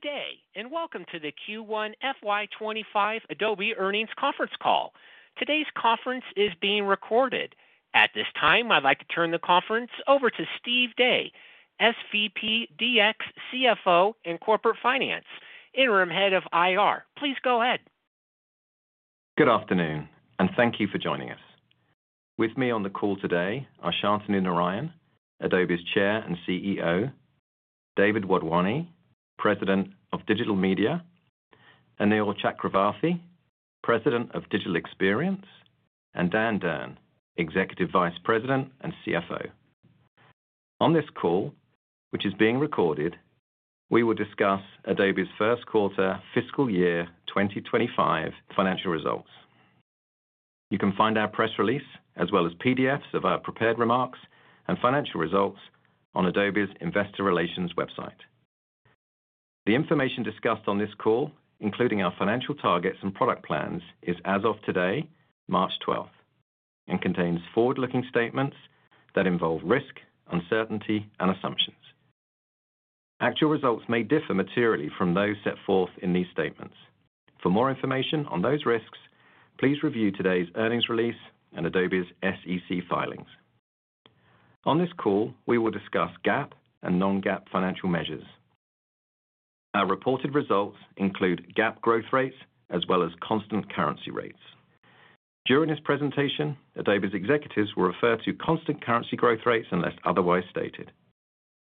Good day, and welcome to the Q1 FY25 Adobe Earnings Conference Call. Today's conference is being recorded. At this time, I'd like to turn the conference over to Steve Day, SVP, DX, CFO, and Corporate Finance, Interim Head of IR. Please go ahead. Good afternoon, and thank you for joining us. With me on the call today are Shantanu Narayen, Adobe's Chair and CEO; David Wadhwani, President of Digital Media; Anil Chakravarthy, President of Digital Experience; and Dan Durn, Executive Vice President and CFO. On this call, which is being recorded, we will discuss Adobe's first quarter fiscal year 2025 financial results. You can find our press release, as well as PDFs of our prepared remarks and financial results, on Adobe's Investor Relations website. The information discussed on this call, including our financial targets and product plans, is as of today, March 12, and contains forward-looking statements that involve risk, uncertainty, and assumptions. Actual results may differ materially from those set forth in these statements. For more information on those risks, please review today's earnings release and Adobe's SEC filings. On this call, we will discuss GAAP and non-GAAP financial measures. Our reported results include GAAP growth rates, as well as constant currency rates. During this presentation, Adobe's executives will refer to constant currency growth rates unless otherwise stated.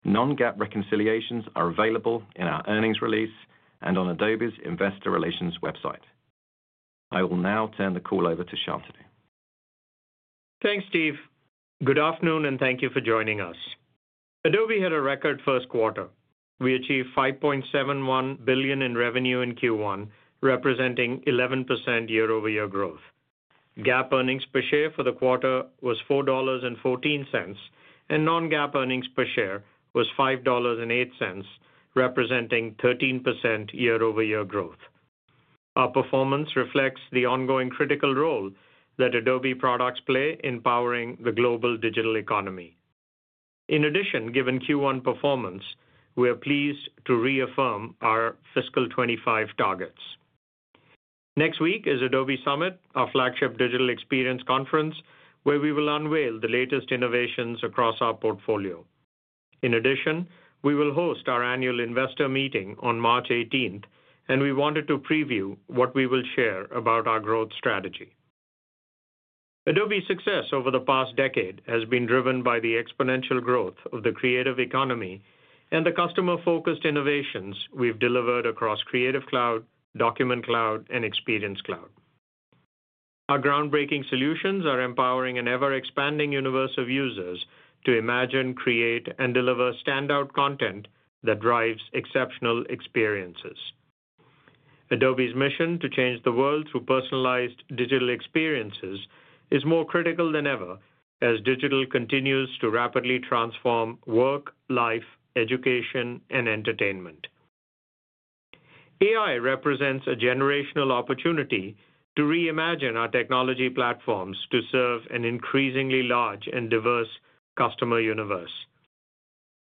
Non-GAAP reconciliations are available in our earnings release and on Adobe's Investor Relations website. I will now turn the call over to Shantanu. Thanks, Steve. Good afternoon, and thank you for joining us. Adobe had a record first quarter. We achieved $5.71 billion in revenue in Q1, representing 11% year-over-year growth. GAAP earnings per share for the quarter was $4.14, and non-GAAP earnings per share was $5.08, representing 13% year-over-year growth. Our performance reflects the ongoing critical role that Adobe products play in powering the global digital economy. In addition, given Q1 performance, we are pleased to reaffirm our fiscal 2025 targets. Next week is Adobe Summit, our flagship Digital Experience conference, where we will unveil the latest innovations across our portfolio. In addition, we will host our annual investor meeting on March 18, and we wanted to preview what we will share about our growth strategy. Adobe's success over the past decade has been driven by the exponential growth of the creative economy and the customer-focused innovations we've delivered across Creative Cloud, Document Cloud, and Experience Cloud. Our groundbreaking solutions are empowering an ever-expanding universe of users to imagine, create, and deliver standout content that drives exceptional experiences. Adobe's mission to change the world through personalized digital experiences is more critical than ever, as digital continues to rapidly transform work, life, education, and entertainment. AI represents a generational opportunity to reimagine our technology platforms to serve an increasingly large and diverse customer universe.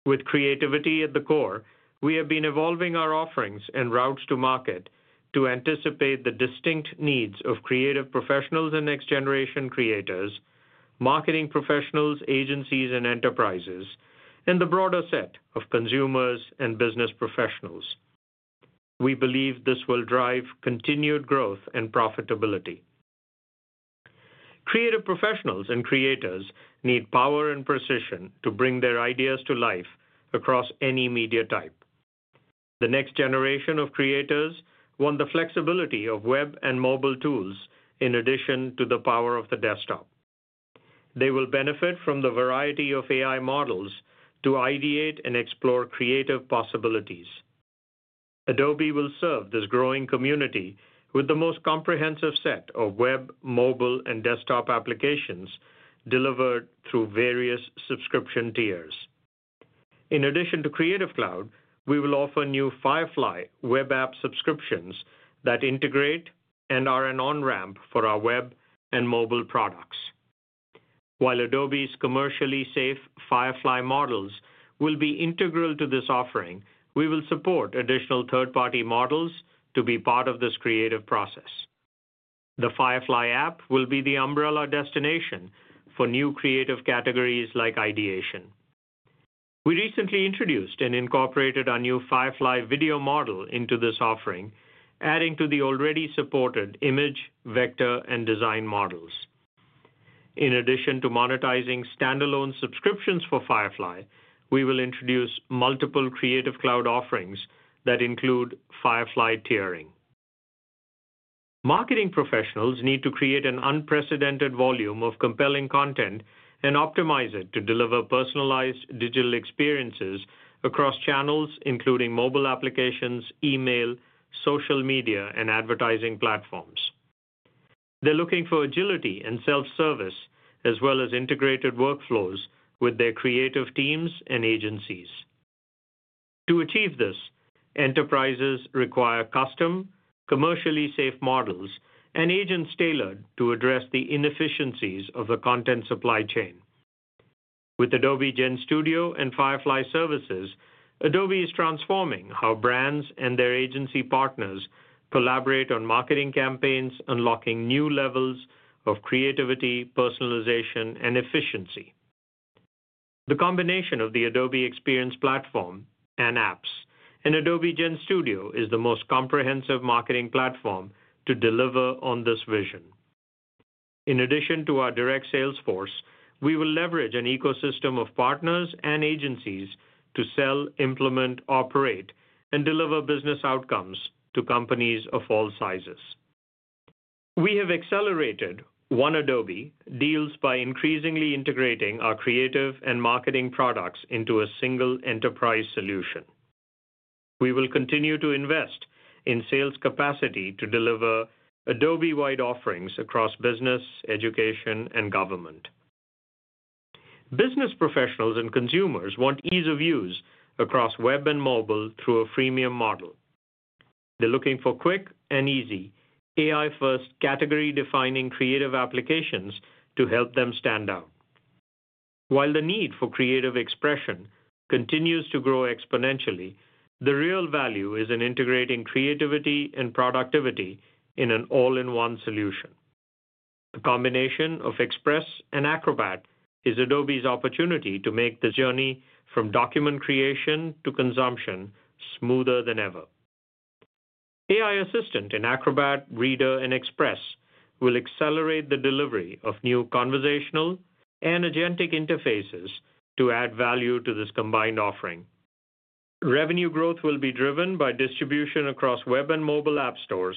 With creativity at the core, we have been evolving our offerings and routes to market to anticipate the distinct needs of creative professionals and next-generation creators, marketing professionals, agencies, and enterprises, and the broader set of consumers and business professionals. We believe this will drive continued growth and profitability. Creative professionals and creators need power and precision to bring their ideas to life across any media type. The next generation of creators want the flexibility of web and mobile tools in addition to the power of the desktop. They will benefit from the variety of AI models to ideate and explore creative possibilities. Adobe will serve this growing community with the most comprehensive set of web, mobile, and desktop applications delivered through various subscription tiers. In addition to Creative Cloud, we will offer new Firefly Web app subscriptions that integrate and are an on-ramp for our web and mobile products. While Adobe's commercially safe Firefly models will be integral to this offering, we will support additional third-party models to be part of this creative process. The Firefly app will be the umbrella destination for new creative categories like ideation. We recently introduced and incorporated our new Firefly Video Model into this offering, adding to the already supported image, vector, and design models. In addition to monetizing standalone subscriptions for Firefly, we will introduce multiple Creative Cloud offerings that include Firefly tiering. Marketing professionals need to create an unprecedented volume of compelling content and optimize it to deliver personalized digital experiences across channels, including mobile applications, email, social media, and advertising platforms. They're looking for agility and self-service, as well as integrated workflows with their creative teams and agencies. To achieve this, enterprises require custom, commercially safe models, and agents tailored to address the inefficiencies of the content supply chain. With Adobe GenStudio and Firefly Services, Adobe is transforming how brands and their agency partners collaborate on marketing campaigns, unlocking new levels of creativity, personalization, and efficiency. The combination of the Adobe Experience Platform and apps in Adobe GenStudio is the most comprehensive marketing platform to deliver on this vision. In addition to our direct sales force, we will leverage an ecosystem of partners and agencies to sell, implement, operate, and deliver business outcomes to companies of all sizes. We have accelerated One Adobe deals by increasingly integrating our creative and marketing products into a single enterprise solution. We will continue to invest in sales capacity to deliver Adobe-wide offerings across business, education, and government. Business professionals and consumers want ease of use across web and mobile through a freemium model. They're looking for quick and easy, AI-first category-defining creative applications to help them stand out. While the need for creative expression continues to grow exponentially, the real value is in integrating creativity and productivity in an all-in-one solution. The combination of Express and Acrobat is Adobe's opportunity to make the journey from document creation to consumption smoother than ever. AI Assistant in Acrobat, Reader, and Express will accelerate the delivery of new conversational and agentic interfaces to add value to this combined offering. Revenue growth will be driven by distribution across web and mobile app stores,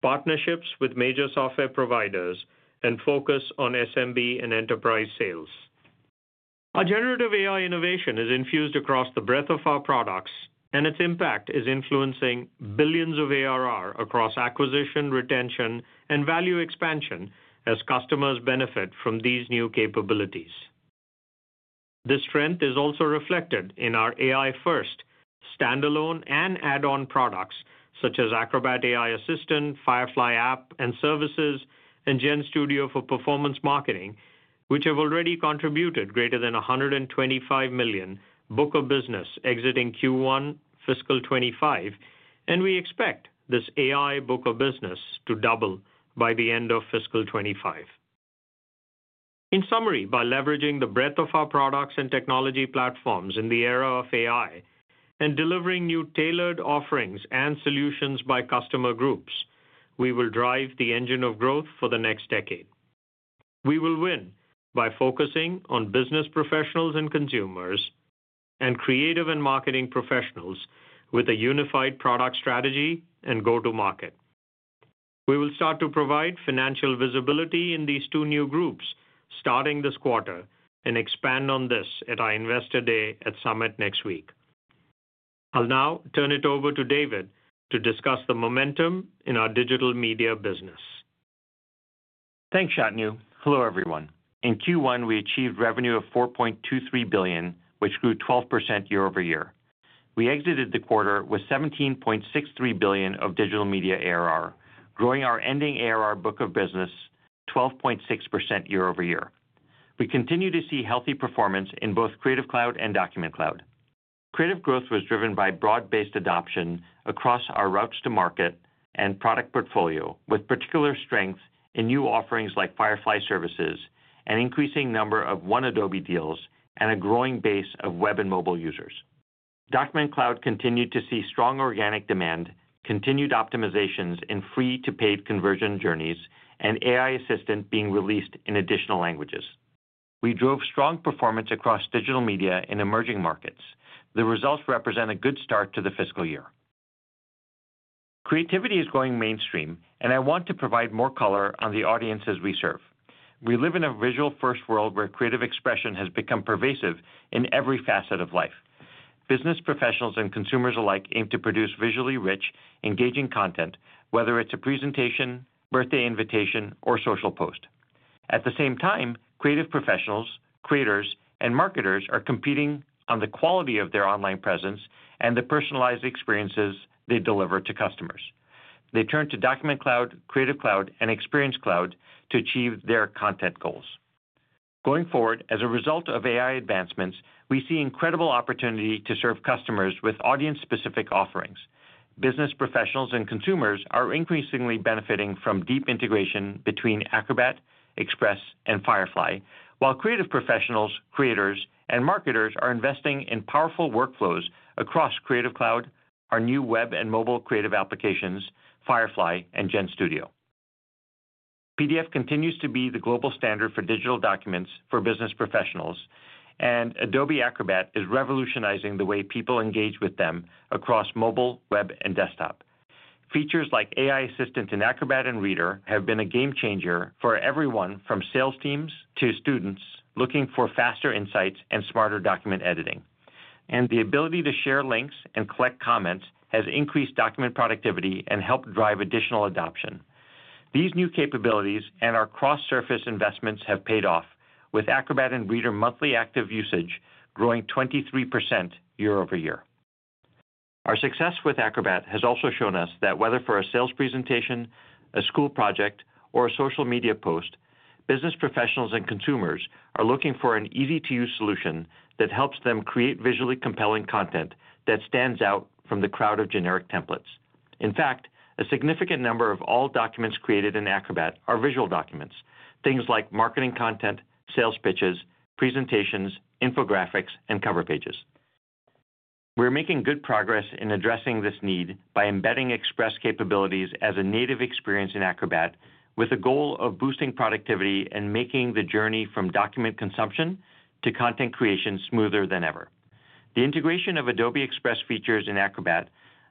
partnerships with major software providers, and focus on SMB and enterprise sales. Our generative AI innovation is infused across the breadth of our products, and its impact is influencing billions of ARR across acquisition, retention, and value expansion as customers benefit from these new capabilities. This strength is also reflected in our AI-first standalone and add-on products such as Acrobat AI Assistant, Firefly app and services, and GenStudio for Performance Marketing, which have already contributed greater than $125 million book of business exiting Q1 fiscal 2025, and we expect this AI book of business to double by the end of fiscal 2025. In summary, by leveraging the breadth of our products and technology platforms in the era of AI and delivering new tailored offerings and solutions by customer groups, we will drive the engine of growth for the next decade. We will win by focusing on business professionals and consumers and creative and marketing professionals with a unified product strategy and go-to-market. We will start to provide financial visibility in these two new groups starting this quarter and expand on this at our Investor Day at Summit next week. I'll now turn it over to David to discuss the momentum in our digital media business. Thanks, Shantanu. Hello, everyone. In Q1, we achieved revenue of $4.23 billion, which grew 12% year-over-year. We exited the quarter with $17.63 billion of digital media ARR, growing our ending ARR book of business 12.6% year-over-year. We continue to see healthy performance in both Creative Cloud and Document Cloud. Creative growth was driven by broad-based adoption across our routes to market and product portfolio, with particular strength in new offerings like Firefly Services, an increasing number of One Adobe deals, and a growing base of web and mobile users. Document Cloud continued to see strong organic demand, continued optimizations in free-to-pay conversion journeys, and AI Assistant being released in additional languages. We drove strong performance across digital media in emerging markets. The results represent a good start to the fiscal year. Creativity is growing mainstream, and I want to provide more color on the audiences we serve. We live in a visual-first world where creative expression has become pervasive in every facet of life. Business professionals and consumers alike aim to produce visually rich, engaging content, whether it's a presentation, birthday invitation, or social post. At the same time, creative professionals, creators, and marketers are competing on the quality of their online presence and the personalized experiences they deliver to customers. They turn to Document Cloud, Creative Cloud, and Experience Cloud to achieve their content goals. Going forward, as a result of AI advancements, we see incredible opportunity to serve customers with audience-specific offerings. Business professionals and consumers are increasingly benefiting from deep integration between Acrobat, Express, and Firefly, while creative professionals, creators, and marketers are investing in powerful workflows across Creative Cloud, our new web and mobile creative applications, Firefly, and GenStudio. PDF continues to be the global standard for digital documents for business professionals, and Adobe Acrobat is revolutionizing the way people engage with them across mobile, web, and desktop. Features like AI Assistant in Acrobat and Reader have been a game changer for everyone from sales teams to students looking for faster insights and smarter document editing. The ability to share links and collect comments has increased document productivity and helped drive additional adoption. These new capabilities and our cross-surface investments have paid off, with Acrobat and Reader monthly active usage growing 23% year-over-year. Our success with Acrobat has also shown us that whether for a sales presentation, a school project, or a social media post, business professionals and consumers are looking for an easy-to-use solution that helps them create visually compelling content that stands out from the crowd of generic templates. In fact, a significant number of all documents created in Acrobat are visual documents, things like marketing content, sales pitches, presentations, infographics, and cover pages. We're making good progress in addressing this need by embedding Express capabilities as a native experience in Acrobat, with the goal of boosting productivity and making the journey from document consumption to content creation smoother than ever. The integration of Adobe Express features in Acrobat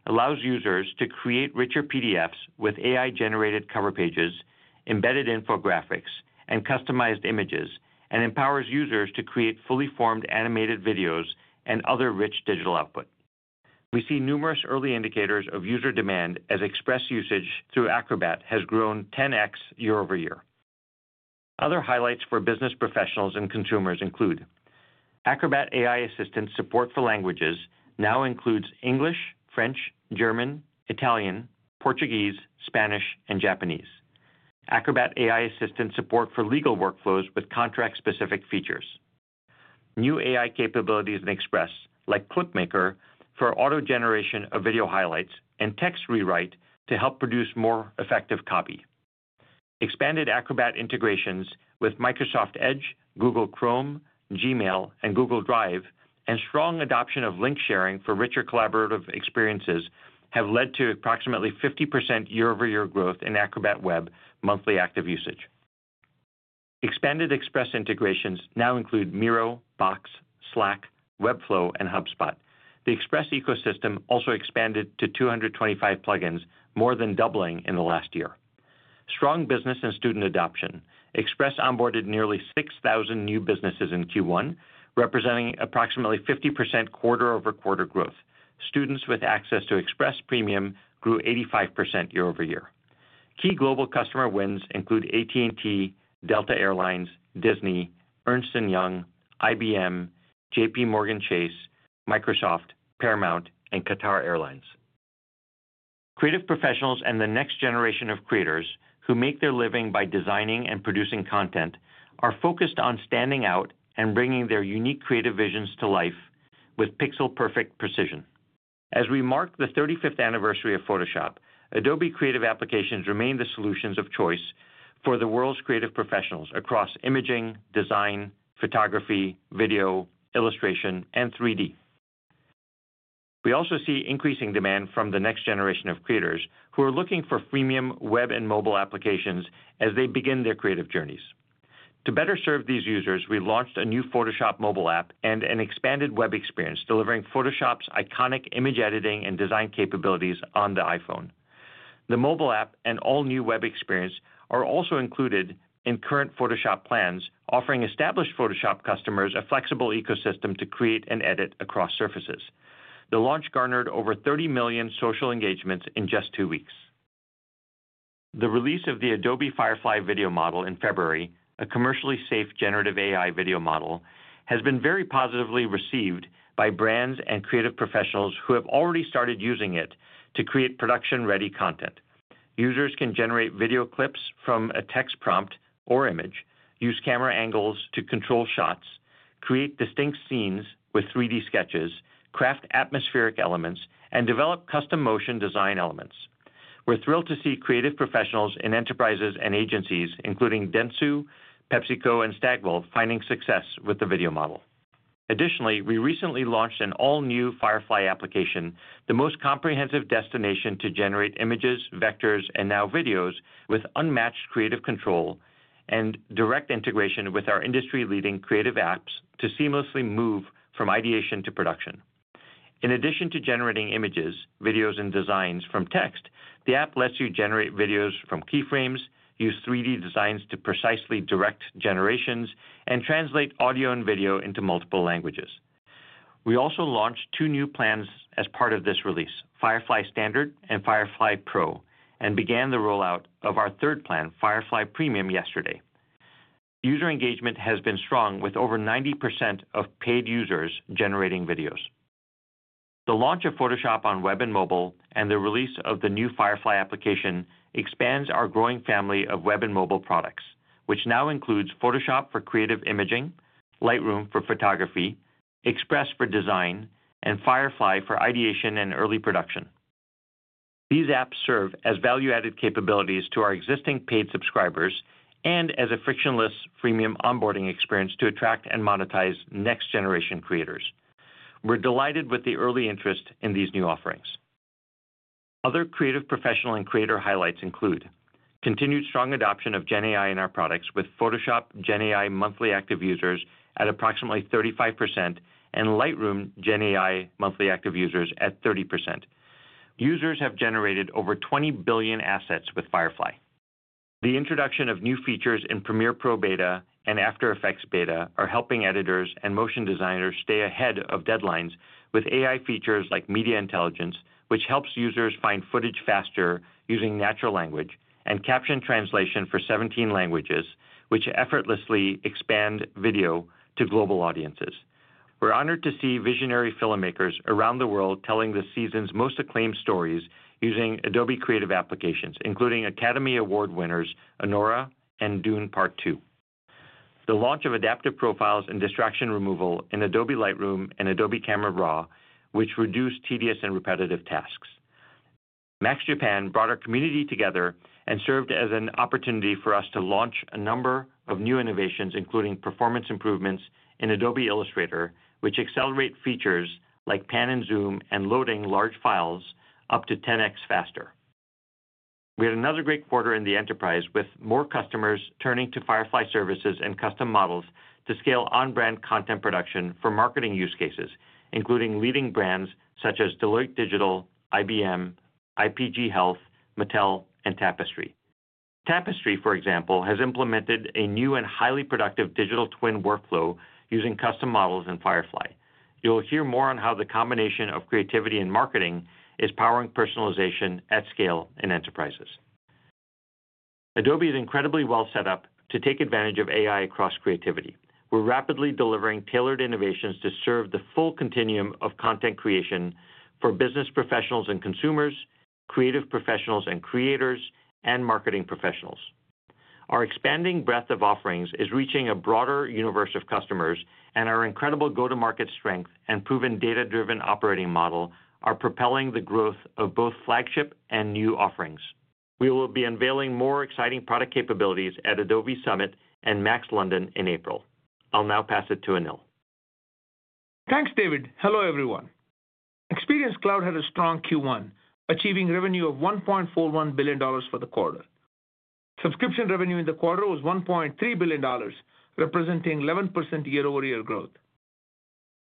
allows users to create richer PDFs with AI-generated cover pages, embedded infographics, and customized images, and empowers users to create fully formed animated videos and other rich digital output. We see numerous early indicators of user demand as Express usage through Acrobat has grown 10x year-over-year. Other highlights for business professionals and consumers include Acrobat AI Assistant support for languages now includes English, French, German, Italian, Portuguese, Spanish, and Japanese. Acrobat AI Assistant support for legal workflows with contract-specific features. New AI capabilities in Express, like Clip Maker, for auto-generation of video highlights and Text Rewrite to help produce more effective copy. Expanded Acrobat integrations with Microsoft Edge, Google Chrome, Gmail, and Google Drive, and strong adoption of link sharing for richer collaborative experiences have led to approximately 50% year-over-year growth in Acrobat Web monthly active usage. Expanded Express integrations now include Miro, Box, Slack, Webflow, and HubSpot. The Express ecosystem also expanded to 225 plugins, more than doubling in the last year. Strong business and student adoption. Express onboarded nearly 6,000 new businesses in Q1, representing approximately 50% quarter-over-quarter growth. Students with access to Express Premium grew 85% year-over-year. Key global customer wins include AT&T, Delta Air Lines, Disney, Ernst & Young, IBM, JPMorgan Chase, Microsoft, Paramount, and Qatar Airways. Creative professionals and the next generation of creators who make their living by designing and producing content are focused on standing out and bringing their unique creative visions to life with pixel-perfect precision. As we mark the 35th anniversary of Photoshop, Adobe Creative Applications remain the solutions of choice for the world's creative professionals across imaging, design, photography, video, illustration, and 3D. We also see increasing demand from the next generation of creators who are looking for freemium web and mobile applications as they begin their creative journeys. To better serve these users, we launched a new Photoshop mobile app and an expanded web experience delivering Photoshop's iconic image editing and design capabilities on the iPhone. The mobile app and all-new web experience are also included in current Photoshop plans, offering established Photoshop customers a flexible ecosystem to create and edit across surfaces. The launch garnered over 30 million social engagements in just two weeks. The release of the Adobe Firefly Video Model in February, a commercially safe generative AI video model, has been very positively received by brands and creative professionals who have already started using it to create production-ready content. Users can generate video clips from a text prompt or image, use camera angles to control shots, create distinct scenes with 3D sketches, craft atmospheric elements, and develop custom motion design elements. We're thrilled to see creative professionals in enterprises and agencies, including Dentsu, PepsiCo, and Stagwell, finding success with the video model. Additionally, we recently launched an all-new Firefly application, the most comprehensive destination to generate images, vectors, and now videos with unmatched creative control and direct integration with our industry-leading creative apps to seamlessly move from ideation to production. In addition to generating images, videos, and designs from text, the app lets you generate videos from keyframes, use 3D designs to precisely direct generations, and translate audio and video into multiple languages. We also launched two new plans as part of this release, Firefly Standard and Firefly Pro, and began the rollout of our third plan, Firefly Premium, yesterday. User engagement has been strong, with over 90% of paid users generating videos. The launch of Photoshop on web and mobile and the release of the new Firefly application expands our growing family of web and mobile products, which now includes Photoshop for creative imaging, Lightroom for photography, Express for design, and Firefly for ideation and early production. These apps serve as value-added capabilities to our existing paid subscribers and as a frictionless freemium onboarding experience to attract and monetize next-generation creators. We're delighted with the early interest in these new offerings. Other creative professional and creator highlights include continued strong adoption of Gen AI in our products with Photoshop Gen AI monthly active users at approximately 35% and Lightroom Gen AI monthly active users at 30%. Users have generated over 20 billion assets with Firefly. The introduction of new features in Premiere Pro Beta and After Effects Beta are helping editors and motion designers stay ahead of deadlines with AI features like Media Intelligence, which helps users find footage faster using natural language, and Caption Translation for 17 languages, which effortlessly expand video to global audiences. We're honored to see visionary filmmakers around the world telling the season's most acclaimed stories using Adobe Creative Applications, including Academy Award winners Anora and Dune: Part Two. The launch of adaptive profiles and distraction removal in Adobe Lightroom and Adobe Camera Raw, which reduced tedious and repetitive tasks. MAX Japan brought our community together and served as an opportunity for us to launch a number of new innovations, including performance improvements in Adobe Illustrator, which accelerate features like pan and zoom and loading large files up to 10x faster. We had another great quarter in the enterprise with more customers turning to Firefly Services and custom models to scale on-brand content production for marketing use cases, including leading brands such as Deloitte Digital, IBM, IPG Health, Mattel, and Tapestry. Tapestry, for example, has implemented a new and highly productive digital twin workflow using custom models in Firefly. You'll hear more on how the combination of creativity and marketing is powering personalization at scale in enterprises. Adobe is incredibly well set up to take advantage of AI across creativity. We're rapidly delivering tailored innovations to serve the full continuum of content creation for business professionals and consumers, creative professionals and creators, and marketing professionals. Our expanding breadth of offerings is reaching a broader universe of customers, and our incredible go-to-market strength and proven data-driven operating model are propelling the growth of both flagship and new offerings. We will be unveiling more exciting product capabilities at Adobe Summit and MAX London in April. I'll now pass it to Anil. Thanks, David. Hello, everyone. Experience Cloud had a strong Q1, achieving revenue of $1.41 billion for the quarter. Subscription revenue in the quarter was $1.3 billion, representing 11% year-over-year growth.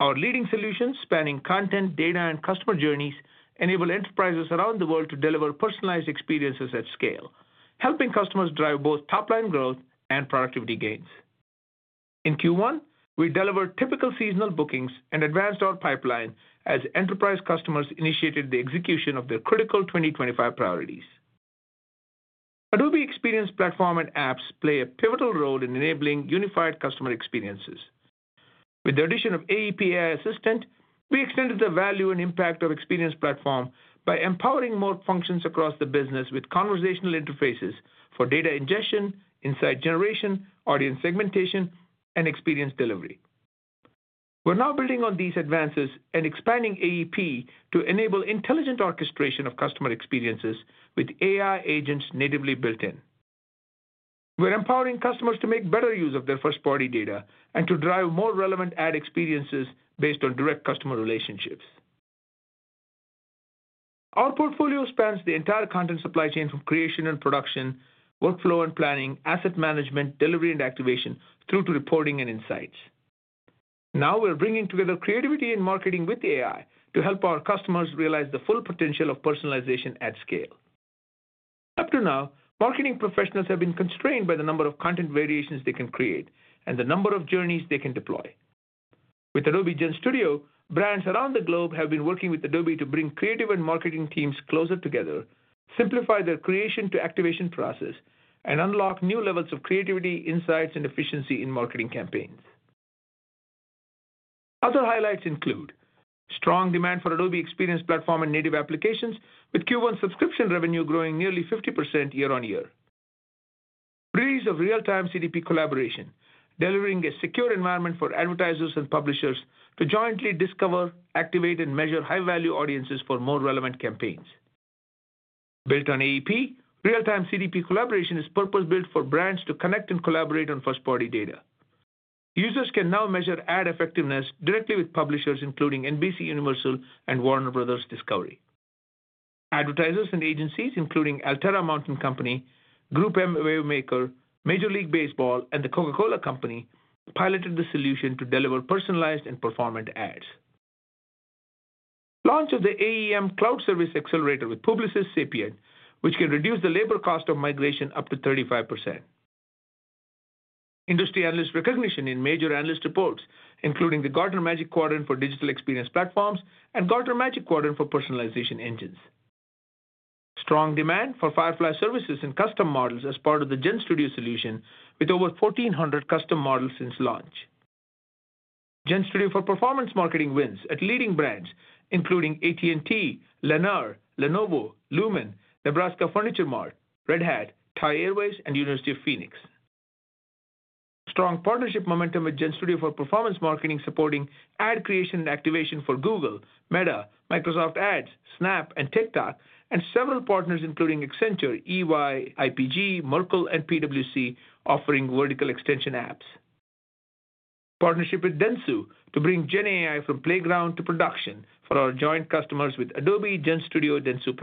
Our leading solutions spanning content, data, and customer journeys enable enterprises around the world to deliver personalized experiences at scale, helping customers drive both top-line growth and productivity gains. In Q1, we delivered typical seasonal bookings and advanced our pipeline as enterprise customers initiated the execution of their critical 2025 priorities. Adobe Experience Platform and apps play a pivotal role in enabling unified customer experiences. With the addition of AEP AI Assistant, we extended the value and impact of Experience Platform by empowering more functions across the business with conversational interfaces for data ingestion, insight generation, audience segmentation, and experience delivery. We're now building on these advances and expanding AEP to enable intelligent orchestration of customer experiences with AI agents natively built in. We're empowering customers to make better use of their first-party data and to drive more relevant ad experiences based on direct customer relationships. Our portfolio spans the entire content supply chain from creation and production, workflow and planning, asset management, delivery and activation, through to reporting and insights. Now we're bringing together creativity and marketing with AI to help our customers realize the full potential of personalization at scale. Up to now, marketing professionals have been constrained by the number of content variations they can create and the number of journeys they can deploy. With Adobe GenStudio, brands around the globe have been working with Adobe to bring creative and marketing teams closer together, simplify their creation to activation process, and unlock new levels of creativity, insights, and efficiency in marketing campaigns. Other highlights include strong demand for Adobe Experience Platform and native applications, with Q1 subscription revenue growing nearly 50% year-on-year. Release of Real-Time CDP Collaboration, delivering a secure environment for advertisers and publishers to jointly discover, activate, and measure high-value audiences for more relevant campaigns. Built on AEP, Real-Time CDP Collaboration is purpose-built for brands to connect and collaborate on first-party data. Users can now measure ad effectiveness directly with publishers including NBCUniversal and Warner Bros. Discovery. Advertisers and agencies, including Alterra Mountain Company, GroupM Wavemaker, Major League Baseball, and the Coca-Cola Company, piloted the solution to deliver personalized and performant ads. Launch of the AEM Cloud Service Accelerator with Publicis Sapient, which can reduce the labor cost of migration up to 35%. Industry analyst recognition in major analyst reports, including the Gartner Magic Quadrant for Digital Experience platforms and Gartner Magic Quadrant for Personalization Engines. Strong demand for Firefly Services and custom models as part of the GenStudio solution, with over 1,400 custom models since launch. GenStudio for Performance Marketing wins at leading brands including AT&T, Lenovo, Lumen, Nebraska Furniture Mart, Red Hat, Thai Airways, and University of Phoenix. Strong partnership momentum with GenStudio for Performance Marketing supporting ad creation and activation for Google, Meta, Microsoft Ads, Snap, and TikTok, and several partners including Accenture, EY, IPG, Merkle, and PwC offering vertical extension apps. Partnership with Dentsu to bring Gen AI from playground to production for our joint customers with Adobe GenStudio dentsu+.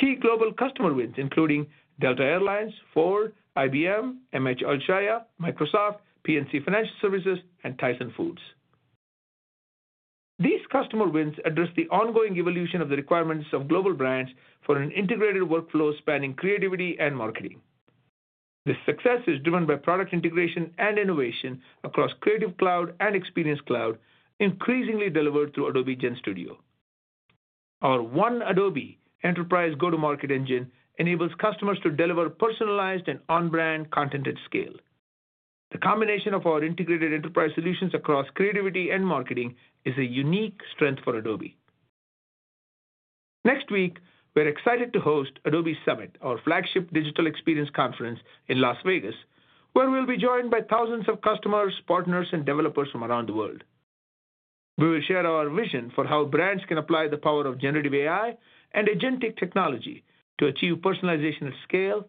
Key global customer wins including Delta Air Lines, Ford, IBM, M.H. Alshaya, Microsoft, PNC Financial Services, and Tyson Foods. These customer wins address the ongoing evolution of the requirements of global brands for an integrated workflow spanning creativity and marketing. This success is driven by product integration and innovation across Creative Cloud and Experience Cloud, increasingly delivered through Adobe GenStudio. Our One Adobe Enterprise go-to-market engine enables customers to deliver personalized and on-brand content at scale. The combination of our integrated enterprise solutions across creativity and marketing is a unique strength for Adobe. Next week, we're excited to host Adobe Summit, our flagship Digital Experience conference in Las Vegas, where we'll be joined by thousands of customers, partners, and developers from around the world. We will share our vision for how brands can apply the power of generative AI and agentic technology to achieve personalization at scale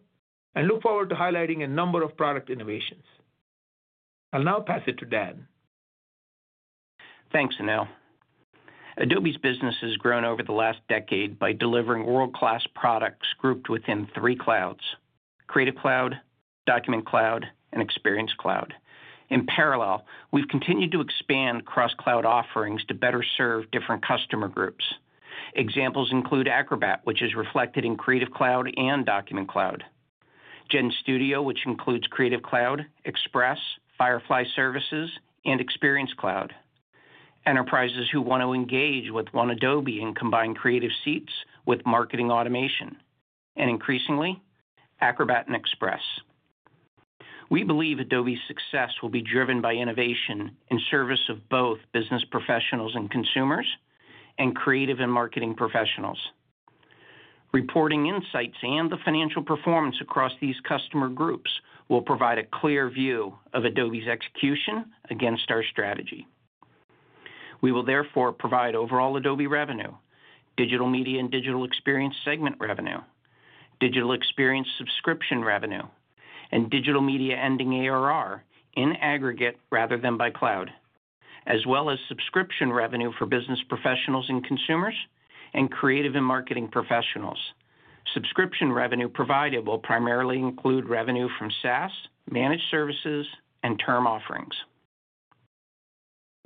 and look forward to highlighting a number of product innovations. I'll now pass it to Dan. Thanks, Anil. Adobe's business has grown over the last decade by delivering world-class products grouped within three clouds: Creative Cloud, Document Cloud, and Experience Cloud. In parallel, we've continued to expand cross-cloud offerings to better serve different customer groups. Examples include Acrobat, which is reflected in Creative Cloud and Document Cloud; GenStudio, which includes Creative Cloud, Express, Firefly Services, and Experience Cloud; enterprises who want to engage with One Adobe and combine creative seats with marketing automation; and increasingly, Acrobat and Express. We believe Adobe's success will be driven by innovation in service of both business professionals and consumers and creative and marketing professionals. Reporting insights and the financial performance across these customer groups will provide a clear view of Adobe's execution against our strategy. We will therefore provide overall Adobe revenue, digital media and Digital Experience segment revenue, Digital Experience subscription revenue, and digital media ending ARR in aggregate rather than by cloud, as well as subscription revenue for business professionals and consumers and creative and marketing professionals. Subscription revenue provided will primarily include revenue from SaaS, managed services, and term offerings.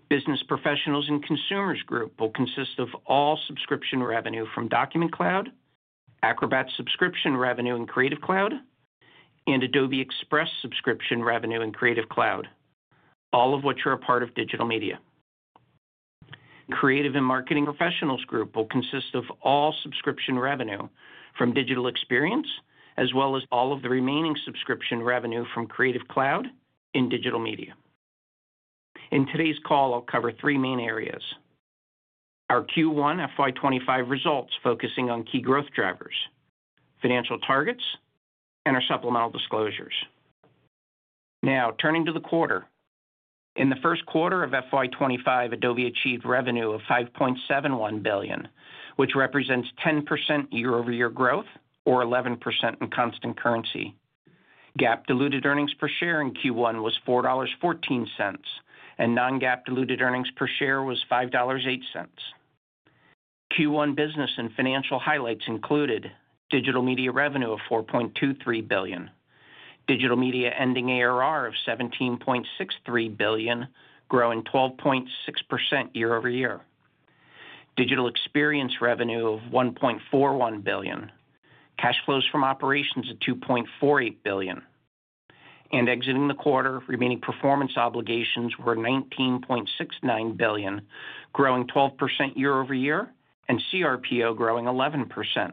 Business professionals and consumers' group will consist of all subscription revenue from Document Cloud, Acrobat subscription revenue and Creative Cloud, and Adobe Express subscription revenue and Creative Cloud, all of which are a part of digital media. Creative and marketing professionals' group will consist of all subscription revenue from Digital Experience, as well as all of the remaining subscription revenue from Creative Cloud in digital media. In today's call, I'll cover three main areas: our Q1 FY2025 results focusing on key growth drivers, financial targets, and our supplemental disclosures. Now, turning to the quarter. In the first quarter of FY25, Adobe achieved revenue of $5.71 billion, which represents 10% year-over-year growth or 11% in constant currency. GAAP diluted earnings per share in Q1 was $4.14, and non-GAAP diluted earnings per share was $5.08. Q1 business and financial highlights included digital media revenue of $4.23 billion, digital media ending ARR of $17.63 billion, growing 12.6% year-over-year, Digital Experience revenue of $1.41 billion, cash flows from operations of $2.48 billion, and exiting the quarter, remaining performance obligations were $19.69 billion, growing 12% year-over-year, and CRPO growing 11%.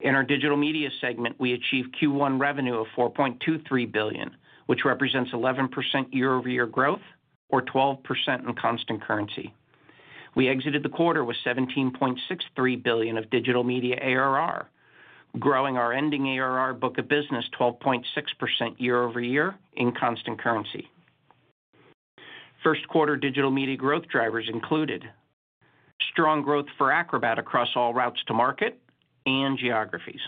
In our digital media segment, we achieved Q1 revenue of $4.23 billion, which represents 11% year-over-year growth or 12% in constant currency. We exited the quarter with $17.63 billion of digital media ARR, growing our ending ARR book of business 12.6% year-over-year in constant currency. First quarter digital media growth drivers included strong growth for Acrobat across all routes to market and geographies,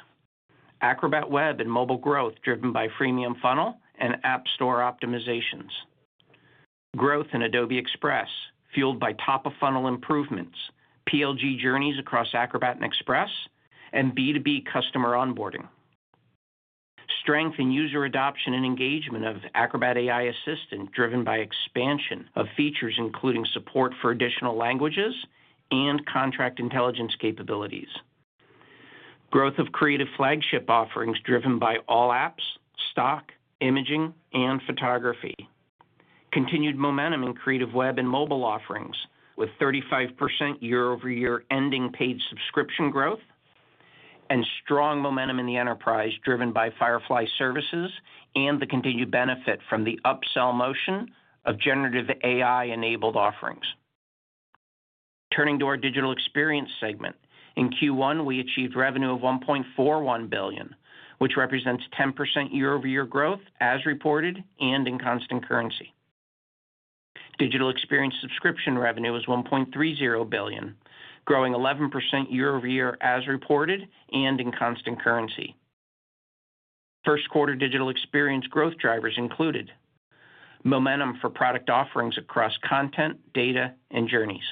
Acrobat web and mobile growth driven by freemium funnel and app store optimizations, growth in Adobe Express fueled by top-of-funnel improvements, PLG journeys across Acrobat and Express, and B2B customer onboarding, strength in user adoption and engagement of Acrobat AI Assistant driven by expansion of features including support for additional languages and contract intelligence capabilities, growth of creative flagship offerings driven by all apps, stock, imaging, and photography, continued momentum in creative web and mobile offerings with 35% year-over-year ending paid subscription growth, and strong momentum in the enterprise driven by Firefly Services and the continued benefit from the upsell motion of generative AI-enabled offerings. Turning to our Digital Experience segment, in Q1, we achieved revenue of $1.41 billion, which represents 10% year-over-year growth as reported and in constant currency. Digital Experience subscription revenue was $1.30 billion, growing 11% year-over-year as reported and in constant currency. First quarter Digital Experience growth drivers included momentum for product offerings across content, data, and journeys,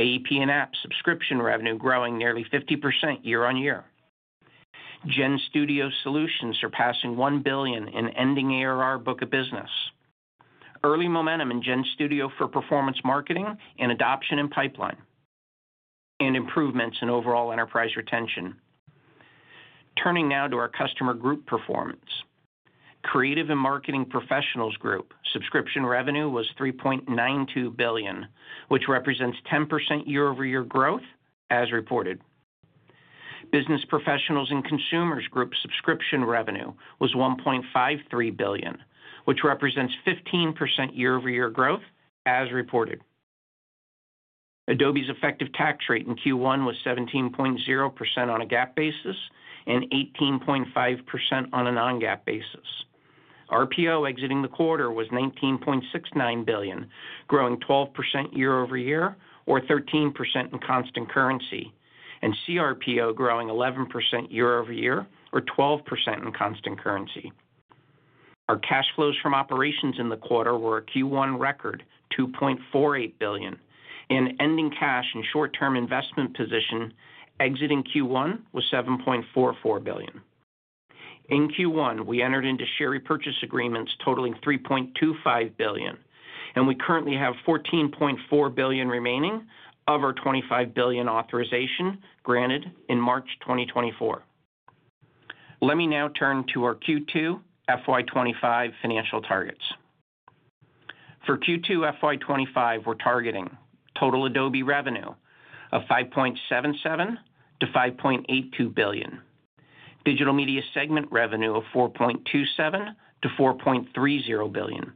AEP and app subscription revenue growing nearly 50% year-on-year, GenStudio solutions surpassing $1 billion in ending ARR book of business, early momentum in GenStudio for Performance Marketing and adoption in pipeline, and improvements in overall enterprise retention. Turning now to our customer group performance. Creative and marketing professionals' group subscription revenue was $3.92 billion, which represents 10% year-over-year growth as reported. Business professionals and consumers' group subscription revenue was $1.53 billion, which represents 15% year-over-year growth as reported. Adobe's effective tax rate in Q1 was 17.0% on a GAAP basis and 18.5% on a non-GAAP basis. RPO exiting the quarter was $19.69 billion, growing 12% year-over-year or 13% in constant currency, and CRPO growing 11% year-over-year or 12% in constant currency. Our cash flows from operations in the quarter were a Q1 record $2.48 billion, and ending cash and short-term investment position exiting Q1 was $7.44 billion. In Q1, we entered into share repurchase agreements totaling $3.25 billion, and we currently have $14.4 billion remaining of our $25 billion authorization granted in March 2024. Let me now turn to our Q2 FY25 financial targets. For Q2 FY25, we're targeting total Adobe revenue of $5.77 billion-$5.82 billion, digital media segment revenue of $4.27 billion-$4.30 billion,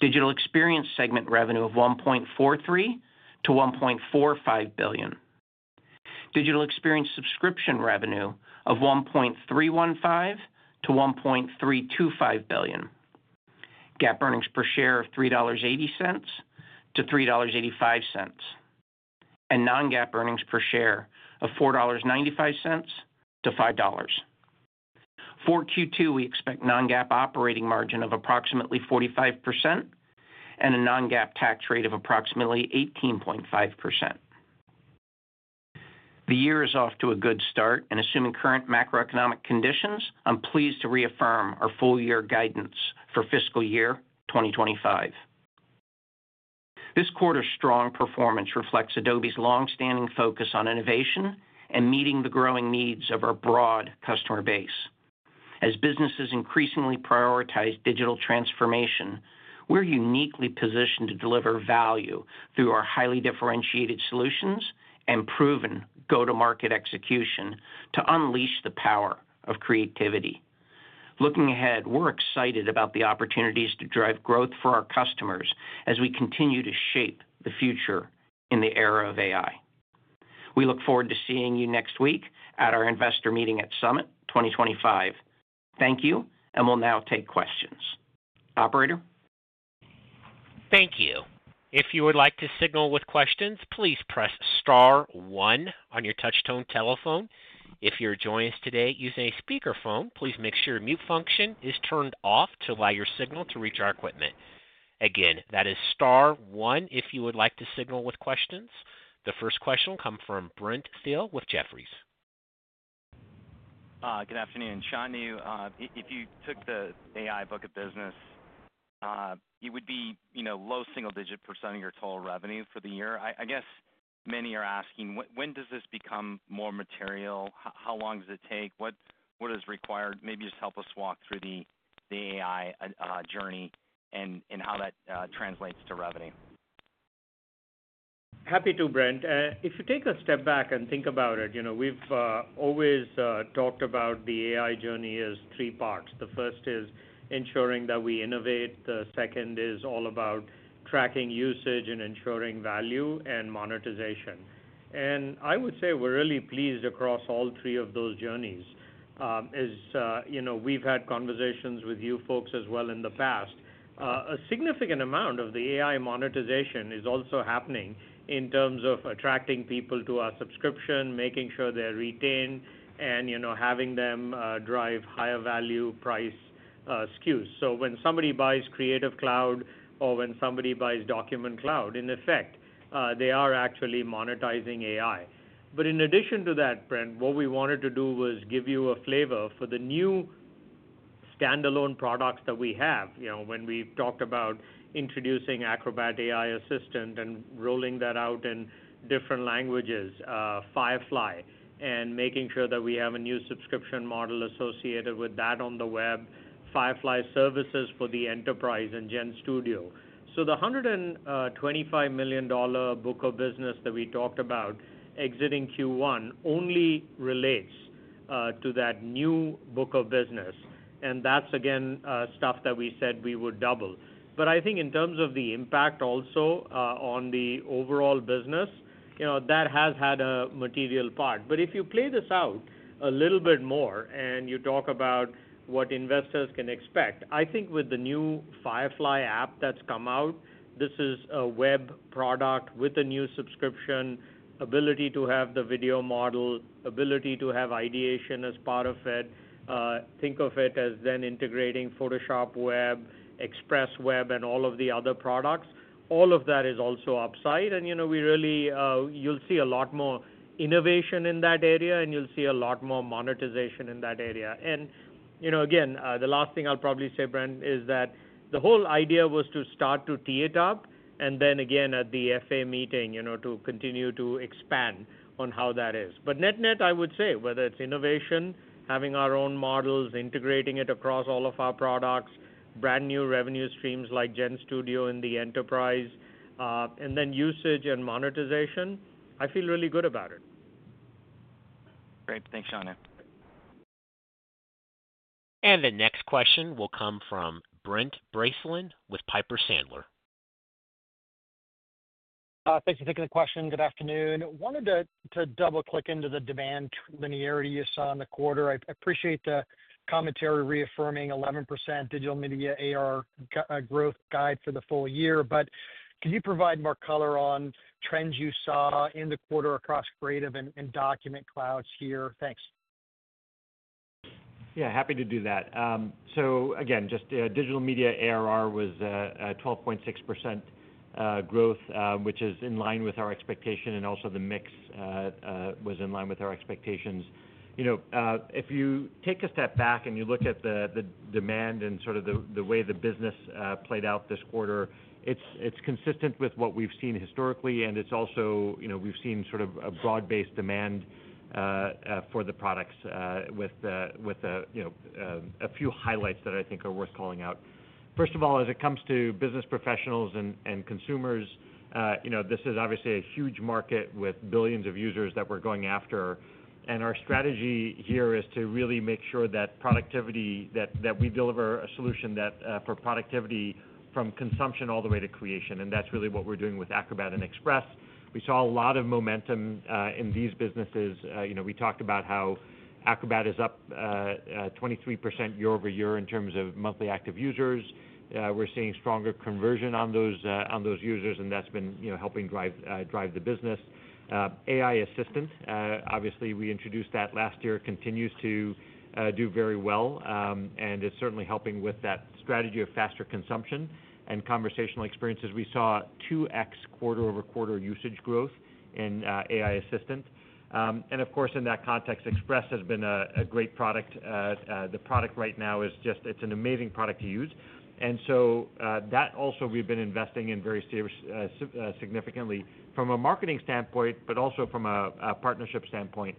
Digital Experience segment revenue of $1.43 billion-$1.45 billion, Digital Experience subscription revenue of $1.315 billion-$1.325 billion, GAAP earnings per share of $3.80-$3.85, and non-GAAP earnings per share of $4.95-$5. For Q2, we expect non-GAAP operating margin of approximately 45% and a non-GAAP tax rate of approximately 18.5%. The year is off to a good start, and assuming current macroeconomic conditions, I'm pleased to reaffirm our full-year guidance for fiscal year 2025. This quarter's strong performance reflects Adobe's long-standing focus on innovation and meeting the growing needs of our broad customer base. As businesses increasingly prioritize digital transformation, we're uniquely positioned to deliver value through our highly differentiated solutions and proven go-to-market execution to unleash the power of creativity. Looking ahead, we're excited about the opportunities to drive growth for our customers as we continue to shape the future in the era of AI. We look forward to seeing you next week at our investor meeting at Summit 2025. Thank you, and we'll now take questions. Operator. Thank you. If you would like to signal with questions, please press star one on your touchstone telephone. If you're joining us today using a speakerphone, please make sure your mute function is turned off to allow your signal to reach our equipment. Again, that is star one if you would like to signal with questions. The first question will come from Brent Thill with Jefferies. Good afternoon. Shan, if you took the AI book of business, it would be low single-digit % of your total revenue for the year. I guess many are asking, when does this become more material? How long does it take? What is required? Maybe just help us walk through the AI journey and how that translates to revenue. Happy to, Brent. If you take a step back and think about it, we've always talked about the AI journey as three parts. The first is ensuring that we innovate. The second is all about tracking usage and ensuring value and monetization. I would say we're really pleased across all three of those journeys. We've had conversations with you folks as well in the past. A significant amount of the AI monetization is also happening in terms of attracting people to our subscription, making sure they're retained, and having them drive higher value price SKUs. When somebody buys Creative Cloud or when somebody buys Document Cloud, in effect, they are actually monetizing AI. In addition to that, Brent, what we wanted to do was give you a flavor for the new standalone products that we have. When we talked about introducing Acrobat AI Assistant and rolling that out in different languages, Firefly, and making sure that we have a new subscription model associated with that on the web, Firefly Services for the enterprise and GenStudio. The $125 million book of business that we talked about exiting Q1 only relates to that new book of business. That is, again, stuff that we said we would double. I think in terms of the impact also on the overall business, that has had a material part. If you play this out a little bit more and you talk about what investors can expect, I think with the new Firefly app that has come out, this is a web product with a new subscription ability to have the video model, ability to have ideation as part of it. Think of it as then integrating Photoshop Web, Express Web, and all of the other products. All of that is also upside. You will see a lot more innovation in that area, and you will see a lot more monetization in that area. Again, the last thing I will probably say, Brent, is that the whole idea was to start to tee it up and then again at the FA meeting to continue to expand on how that is. Net-net, I would say, whether it is innovation, having our own models, integrating it across all of our products, brand new revenue streams like GenStudio in the enterprise, and then usage and monetization, I feel really good about it. Great. Thanks, Shan. The next question will come from Brent Bracelin with Piper Sandler. Thanks for taking the question. Good afternoon. Wanted to double-click into the demand linearity you saw in the quarter. I appreciate the commentary reaffirming 11% digital media ARR growth guide for the full year. Can you provide more color on trends you saw in the quarter across Creative and Document Clouds here? Thanks. Yeah, happy to do that. Again, just digital media ARR was a 12.6% growth, which is in line with our expectation, and also the mix was in line with our expectations. If you take a step back and you look at the demand and sort of the way the business played out this quarter, it's consistent with what we've seen historically, and it's also we've seen sort of a broad-based demand for the products with a few highlights that I think are worth calling out. First of all, as it comes to business professionals and consumers, this is obviously a huge market with billions of users that we're going after. Our strategy here is to really make sure that productivity, that we deliver a solution for productivity from consumption all the way to creation. That's really what we're doing with Acrobat and Express. We saw a lot of momentum in these businesses. We talked about how Acrobat is up 23% year-over-year in terms of monthly active users. We're seeing stronger conversion on those users, and that's been helping drive the business. AI Assistant, obviously, we introduced that last year, continues to do very well, and it's certainly helping with that strategy of faster consumption and conversational experiences. We saw 2x quarter-over-quarter usage growth in AI Assistant. Of course, in that context, Express has been a great product. The product right now is just, it's an amazing product to use. That also we've been investing in very significantly from a marketing standpoint, but also from a partnership standpoint.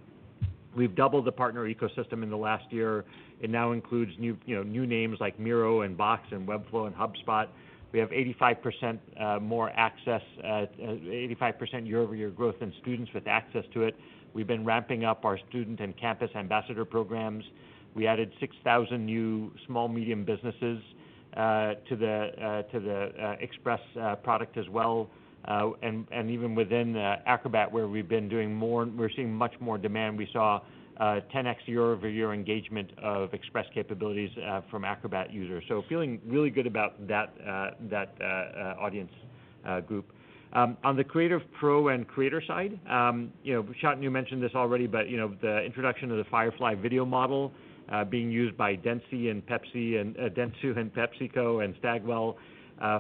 We've doubled the partner ecosystem in the last year. It now includes new names like Miro and Box and Webflow and HubSpot. We have 85% more access, 85% year-over-year growth in students with access to it. We've been ramping up our student and campus ambassador programs. We added 6,000 new small-medium businesses to the Express product as well. Even within Acrobat, where we've been doing more, we're seeing much more demand. We saw 10x year-over-year engagement of Express capabilities from Acrobat users. Feeling really good about that audience group. On the Creative Pro and Creator side, Shan, you mentioned this already, but the introduction of the Firefly Video Model being used by Dentsu and PepsiCo and Stagwell.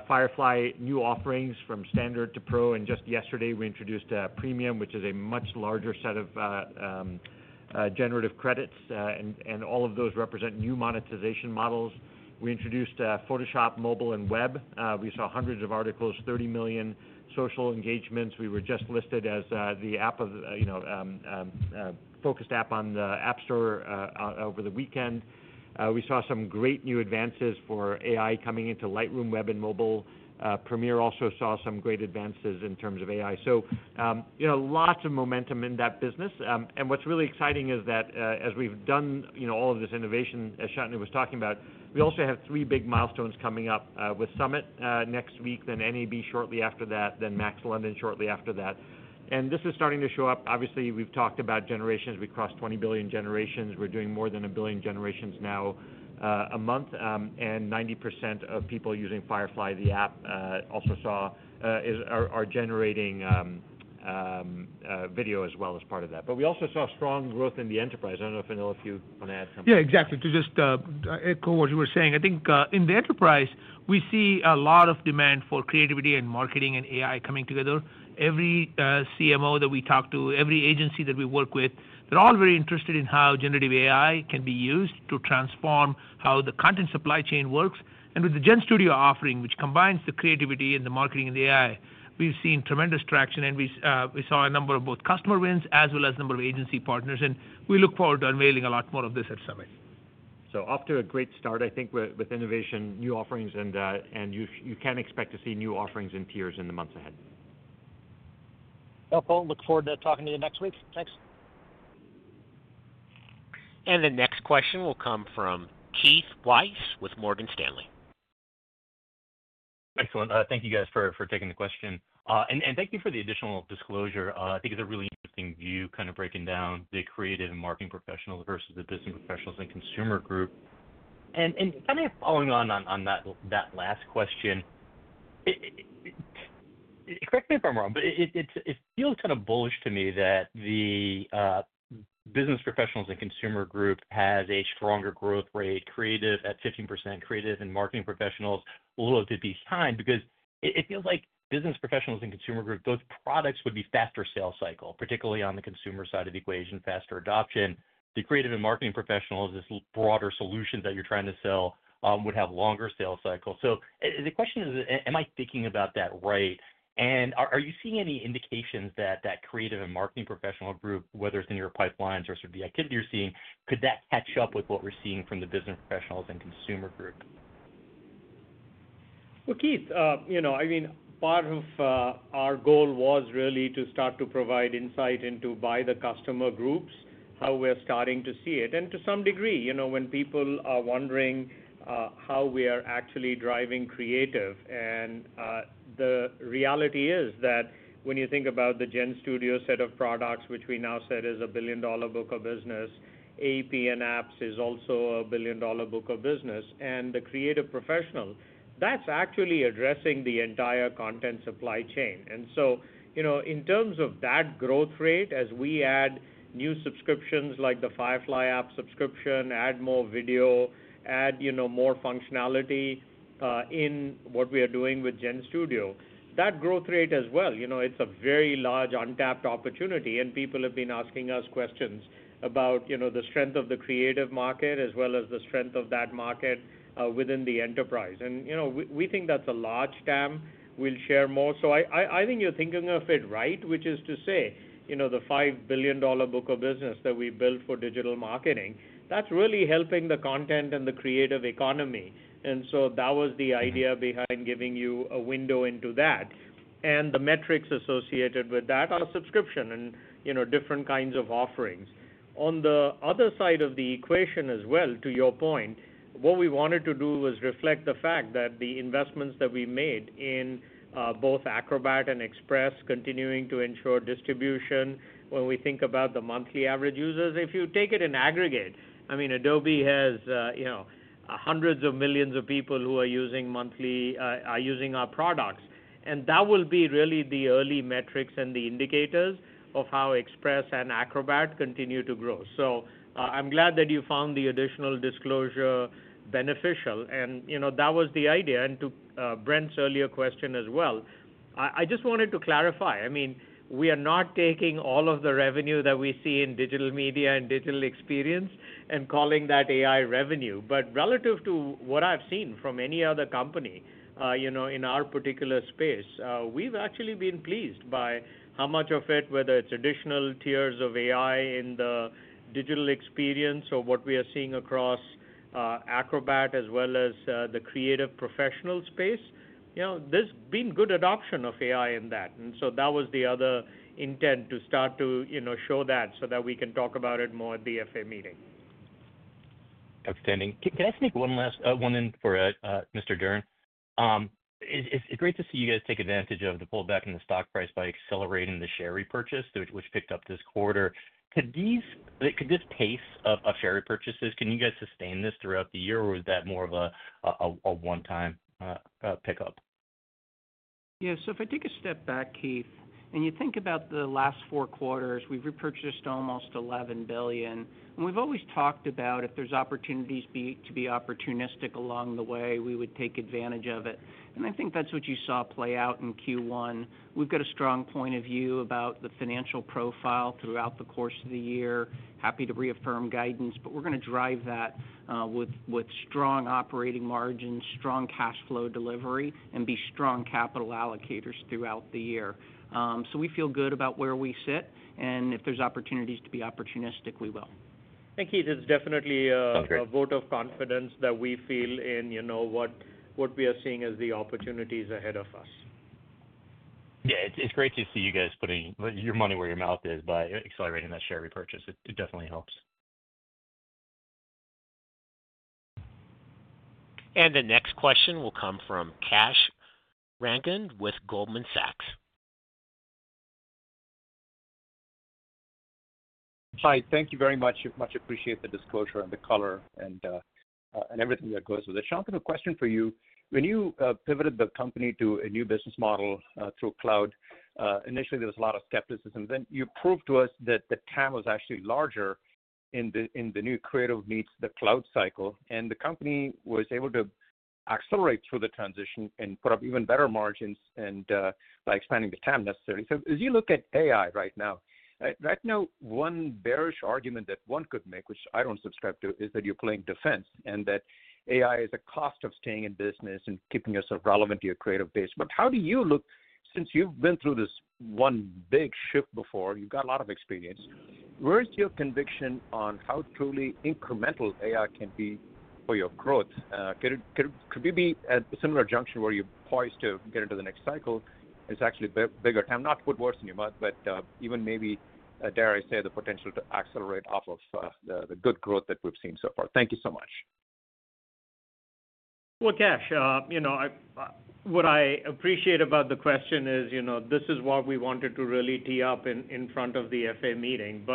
Firefly new offerings from standard to pro. Just yesterday, we introduced Premium, which is a much larger set of generative credits, and all of those represent new monetization models. We introduced Photoshop Mobile and web. We saw hundreds of articles, 30 million social engagements. We were just listed as the focused app on the App Store over the weekend. We saw some great new advances for AI coming into Lightroom, web, and mobile. Premiere also saw some great advances in terms of AI. Lots of momentum in that business. What's really exciting is that as we've done all of this innovation, as Shantanu was talking about, we also have three big milestones coming up with Summit next week, NAB shortly after that, and MAX London shortly after that. This is starting to show up. Obviously, we've talked about generations. We crossed 20 billion generations. We're doing more than a billion generations now a month. 90% of people using Firefly, the app, are also generating video as well as part of that. We also saw strong growth in the enterprise. I don't know if Anil, if you want to add something. Yeah, exactly. To just echo what you were saying, I think in the enterprise, we see a lot of demand for creativity and marketing and AI coming together. Every CMO that we talk to, every agency that we work with, they're all very interested in how generative AI can be used to transform how the content supply chain works. With the GenStudio offering, which combines the creativity and the marketing and the AI, we've seen tremendous traction, and we saw a number of both customer wins as well as a number of agency partners. We look forward to unveiling a lot more of this at Summit. Off to a great start, I think, with innovation, new offerings, and you can expect to see new offerings and tiers in the months ahead. Look forward to talking to you next week. Thanks. The next question will come from Keith Weiss with Morgan Stanley. Excellent. Thank you, guys, for taking the question. Thank you for the additional disclosure. I think it's a really interesting view kind of breaking down the creative and marketing professionals versus the business professionals and consumer group. Kind of following on that last question, correct me if I'm wrong, but it feels kind of bullish to me that the business professionals and consumer group has a stronger growth rate, creative at 15%, creative and marketing professionals a little bit behind because it feels like business professionals and consumer group, those products would be faster sales cycle, particularly on the consumer side of the equation, faster adoption. The creative and marketing professionals, this broader solution that you're trying to sell would have longer sales cycles. The question is, am I thinking about that right? Are you seeing any indications that that creative and marketing professional group, whether it's in your pipelines or sort of the activity you're seeing, could that catch up with what we're seeing from the business professionals and consumer group? Keith, I mean, part of our goal was really to start to provide insight into by the customer groups, how we're starting to see it. And to some degree, when people are wondering how we are actually driving creative, and the reality is that when you think about the GenStudio set of products, which we now said is a billion-dollar book of business, AEP and Apps is also a billion-dollar book of business. And the creative professional, that's actually addressing the entire content supply chain. And so in terms of that growth rate, as we add new subscriptions like the Firefly app subscription, add more video, add more functionality in what we are doing with GenStudio, that growth rate as well, it's a very large untapped opportunity. People have been asking us questions about the strength of the creative market as well as the strength of that market within the enterprise. We think that's a large TAM. We'll share more. I think you're thinking of it right, which is to say the $5 billion book of business that we built for digital marketing, that's really helping the content and the creative economy. That was the idea behind giving you a window into that. The metrics associated with that are subscription and different kinds of offerings. On the other side of the equation as well, to your point, what we wanted to do was reflect the fact that the investments that we made in both Acrobat and Express, continuing to ensure distribution when we think about the monthly average users. If you take it in aggregate, I mean, Adobe has hundreds of millions of people who are using monthly, are using our products. That will be really the early metrics and the indicators of how Express and Acrobat continue to grow. I am glad that you found the additional disclosure beneficial. That was the idea. To Brent's earlier question as well, I just wanted to clarify. I mean, we are not taking all of the revenue that we see in Digital Media and Digital Experience and calling that AI revenue. Relative to what I have seen from any other company in our particular space, we have actually been pleased by how much of it, whether it is additional tiers of AI in the Digital Experience or what we are seeing across Acrobat as well as the creative professional space, there has been good adoption of AI in that. That was the other intent, to start to show that so that we can talk about it more at the FA meeting. Outstanding. Can I sneak one last one in for Mr. Durn? It's great to see you guys take advantage of the pullback in the stock price by accelerating the share repurchase, which picked up this quarter. Could this pace of share repurchases, can you guys sustain this throughout the year, or is that more of a one-time pickup? Yeah. If I take a step back, Keith, and you think about the last four quarters, we've repurchased almost $11 billion. We've always talked about if there's opportunities to be opportunistic along the way, we would take advantage of it. I think that's what you saw play out in Q1. We've got a strong point of view about the financial profile throughout the course of the year. Happy to reaffirm guidance, but we're going to drive that with strong operating margins, strong cash flow delivery, and be strong capital allocators throughout the year. We feel good about where we sit. If there's opportunities to be opportunistic, we will. Thank you. There's definitely a vote of confidence that we feel in what we are seeing as the opportunities ahead of us. Yeah. It's great to see you guys putting your money where your mouth is by accelerating that share repurchase. It definitely helps. The next question will come from Kash Rangan with Goldman Sachs. Hi. Thank you very much. Much appreciate the disclosure and the color and everything that goes with it. Shantanu, I have a question for you. When you pivoted the company to a new business model through cloud, initially, there was a lot of skepticism. Then you proved to us that the TAM was actually larger in the new creative meets the cloud cycle. The company was able to accelerate through the transition and put up even better margins by expanding the TAM necessarily. As you look at AI right now, right now, one bearish argument that one could make, which I do not subscribe to, is that you are playing defense and that AI is a cost of staying in business and keeping yourself relevant to your creative base. How do you look, since you've been through this one big shift before, you've got a lot of experience, where's your conviction on how truly incremental AI can be for your growth? Could we be at a similar junction where you're poised to get into the next cycle? It's actually a bigger TAM, not to put words in your mouth, but even maybe, dare I say, the potential to accelerate off of the good growth that we've seen so far. Thank you so much. Kash, what I appreciate about the question is this is what we wanted to really tee up in front of the FA meeting.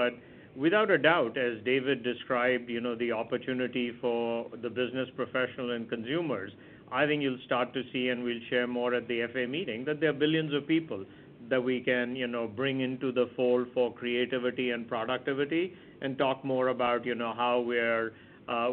Without a doubt, as David described, the opportunity for the business professional and consumers, I think you'll start to see, and we'll share more at the FA meeting, that there are billions of people that we can bring into the fold for creativity and productivity and talk more about how we're,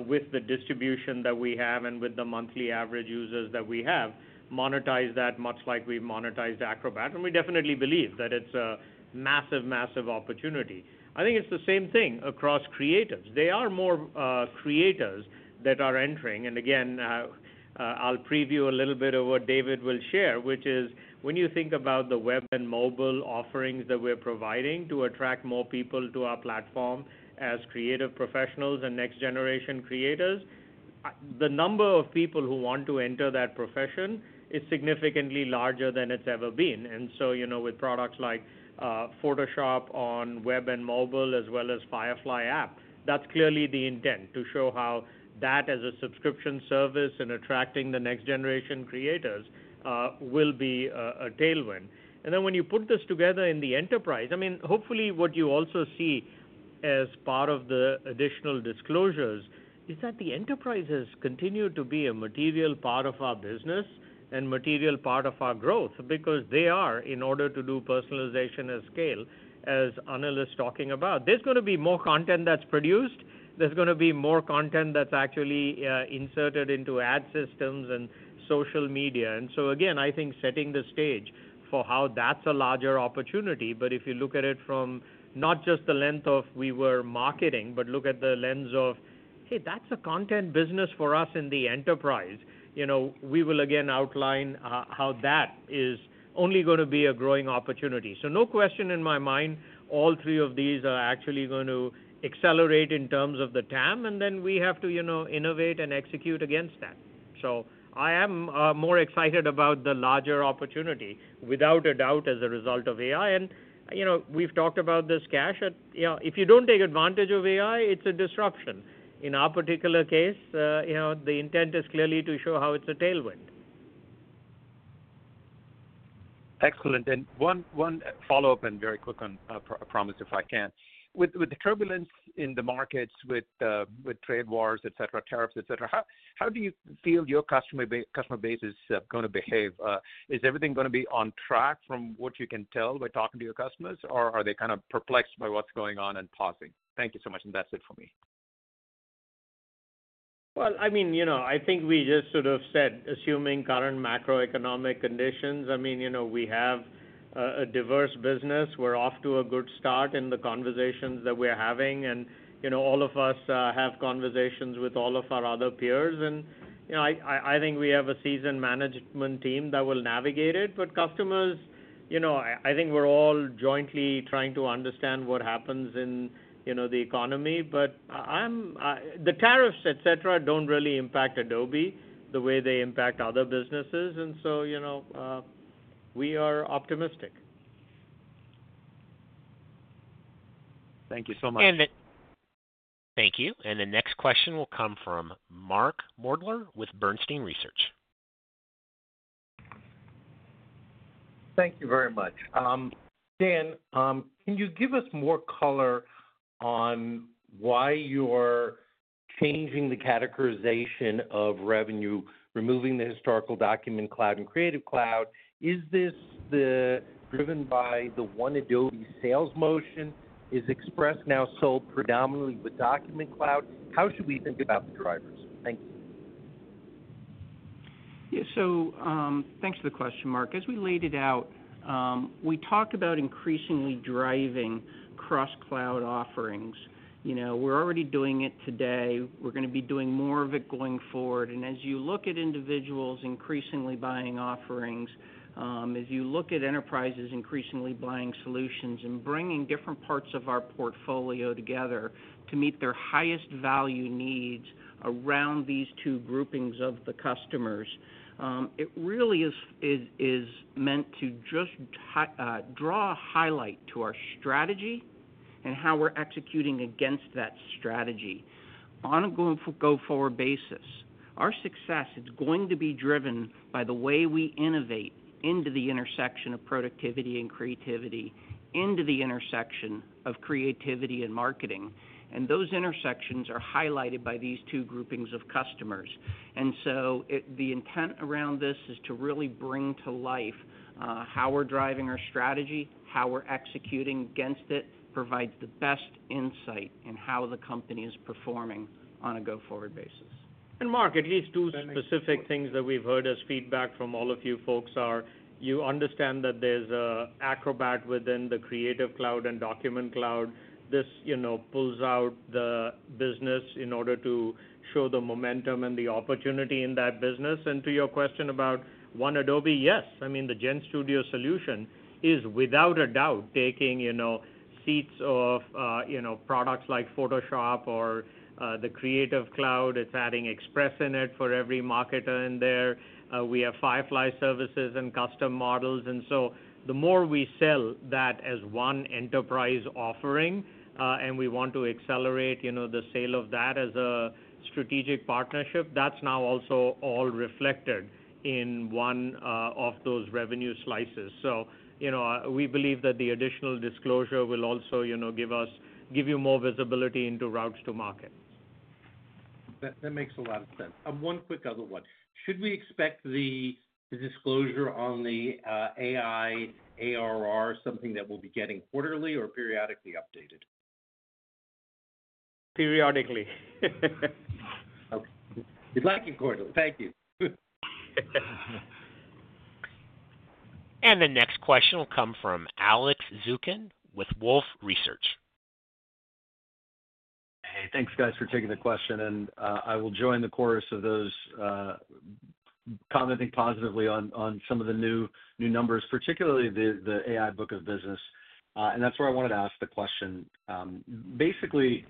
with the distribution that we have and with the monthly average users that we have, monetize that much like we've monetized Acrobat. We definitely believe that it's a massive, massive opportunity. I think it's the same thing across creatives. They are more creators that are entering. I'll preview a little bit of what David will share, which is when you think about the web and mobile offerings that we're providing to attract more people to our platform as creative professionals and next-generation creators, the number of people who want to enter that profession is significantly larger than it's ever been. With products like Photoshop on web and mobile as well as Firefly app, that's clearly the intent to show how that as a subscription service and attracting the next generation creators will be a tailwind. When you put this together in the enterprise, I mean, hopefully what you also see as part of the additional disclosures is that the enterprises continue to be a material part of our business and material part of our growth because they are, in order to do personalization at scale, as Anil is talking about, there's going to be more content that's produced. There's going to be more content that's actually inserted into ad systems and social media. Again, I think setting the stage for how that's a larger opportunity. If you look at it from not just the length of we were marketing, but look at the lens of, hey, that's a content business for us in the enterprise, we will again outline how that is only going to be a growing opportunity. No question in my mind, all three of these are actually going to accelerate in terms of the TAM. Then we have to innovate and execute against that. I am more excited about the larger opportunity, without a doubt, as a result of AI. We have talked about this, Kash. If you do not take advantage of AI, it is a disruption. In our particular case, the intent is clearly to show how it is a tailwind. Excellent. One follow-up, and very quick on a promise if I can. With the turbulence in the markets with trade wars, tariffs, etc., how do you feel your customer base is going to behave? Is everything going to be on track from what you can tell by talking to your customers, or are they kind of perplexed by what's going on and pausing? Thank you so much. That's it for me. I mean, I think we just sort of said, assuming current macroeconomic conditions, I mean, we have a diverse business. We're off to a good start in the conversations that we're having. All of us have conversations with all of our other peers. I think we have a seasoned management team that will navigate it. Customers, I think we're all jointly trying to understand what happens in the economy. The tariffs, etc., do not really impact Adobe the way they impact other businesses. We are optimistic. Thank you so much. Thank you. The next question will come from Mark Moerdler with Bernstein Research. Thank you very much. Dan, can you give us more color on why you're changing the categorization of revenue, removing the historical Document Cloud and Creative Cloud? Is this driven by the One Adobe sales motion? Is Express now sold predominantly with Document Cloud? How should we think about the drivers? Thank you. Yeah. Thanks for the question, Mark. As we laid it out, we talked about increasingly driving cross-cloud offerings. We're already doing it today. We're going to be doing more of it going forward. As you look at individuals increasingly buying offerings, as you look at enterprises increasingly buying solutions and bringing different parts of our portfolio together to meet their highest value needs around these two groupings of the customers, it really is meant to just draw a highlight to our strategy and how we're executing against that strategy on a go-forward basis. Our success is going to be driven by the way we innovate into the intersection of productivity and creativity, into the intersection of creativity and marketing. Those intersections are highlighted by these two groupings of customers. The intent around this is to really bring to life how we're driving our strategy, how we're executing against it, provides the best insight in how the company is performing on a go-forward basis. Mark, at least two specific things that we've heard as feedback from all of you folks are you understand that there's Acrobat within the Creative Cloud and Document Cloud. This pulls out the business in order to show the momentum and the opportunity in that business. To your question about One Adobe, yes. I mean, the GenStudio solution is without a doubt taking seats of products like Photoshop or the Creative Cloud. It's adding Express in it for every marketer in there. We have Firefly Services and custom models. The more we sell that as one enterprise offering and we want to accelerate the sale of that as a strategic partnership, that's now also all reflected in one of those revenue slices. We believe that the additional disclosure will also give you more visibility into routes to market. That makes a lot of sense. One quick other one. Should we expect the disclosure on the AI ARR, something that we'll be getting quarterly or periodically updated? Periodically. Okay. You'd like it quarterly. Thank you. The next question will come from Alex Zukin with Wolfe Research. Hey, thanks, guys, for taking the question. I will join the chorus of those commenting positively on some of the new numbers, particularly the AI book of business. That is where I wanted to ask the question. Basically,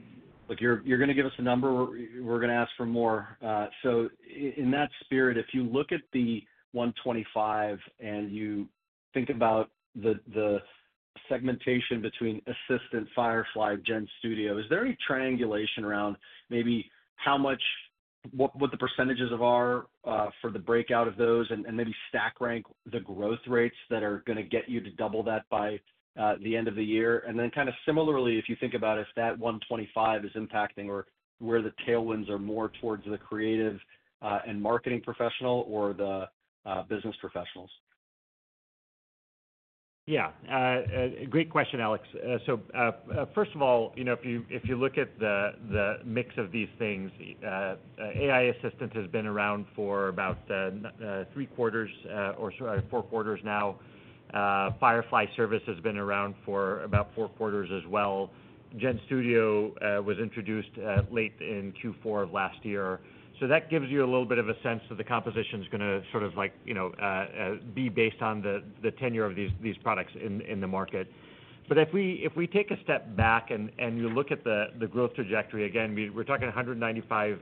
you are going to give us a number. We are going to ask for more. In that spirit, if you look at the $125 million and you think about the segmentation between Assistant, Firefly, GenStudio, is there any triangulation around maybe what the percentages are for the breakout of those and maybe stack rank the growth rates that are going to get you to double that by the end of the year? Similarly, if you think about if that $125 million is impacting or where the tailwinds are more towards the creative and marketing professional or the business professionals. Yeah. Great question, Alex. First of all, if you look at the mix of these things, AI Assistant has been around for about three quarters or four quarters now. Firefly Service has been around for about four quarters as well. GenStudio was introduced late in Q4 of last year. That gives you a little bit of a sense that the composition is going to sort of be based on the tenure of these products in the market. If we take a step back and you look at the growth trajectory, again, we're talking $195 million,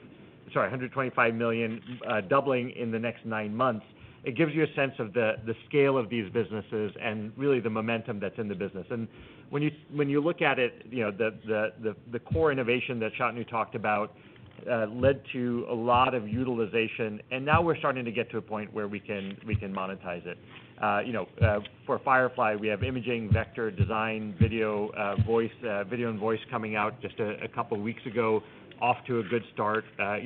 sorry, $125 million doubling in the next nine months. It gives you a sense of the scale of these businesses and really the momentum that's in the business. When you look at it, the core innovation that Shantanu and you talked about led to a lot of utilization. We're starting to get to a point where we can monetize it. For Firefly, we have imaging, vector design, video, voice, video and voice coming out just a couple of weeks ago, off to a good start. I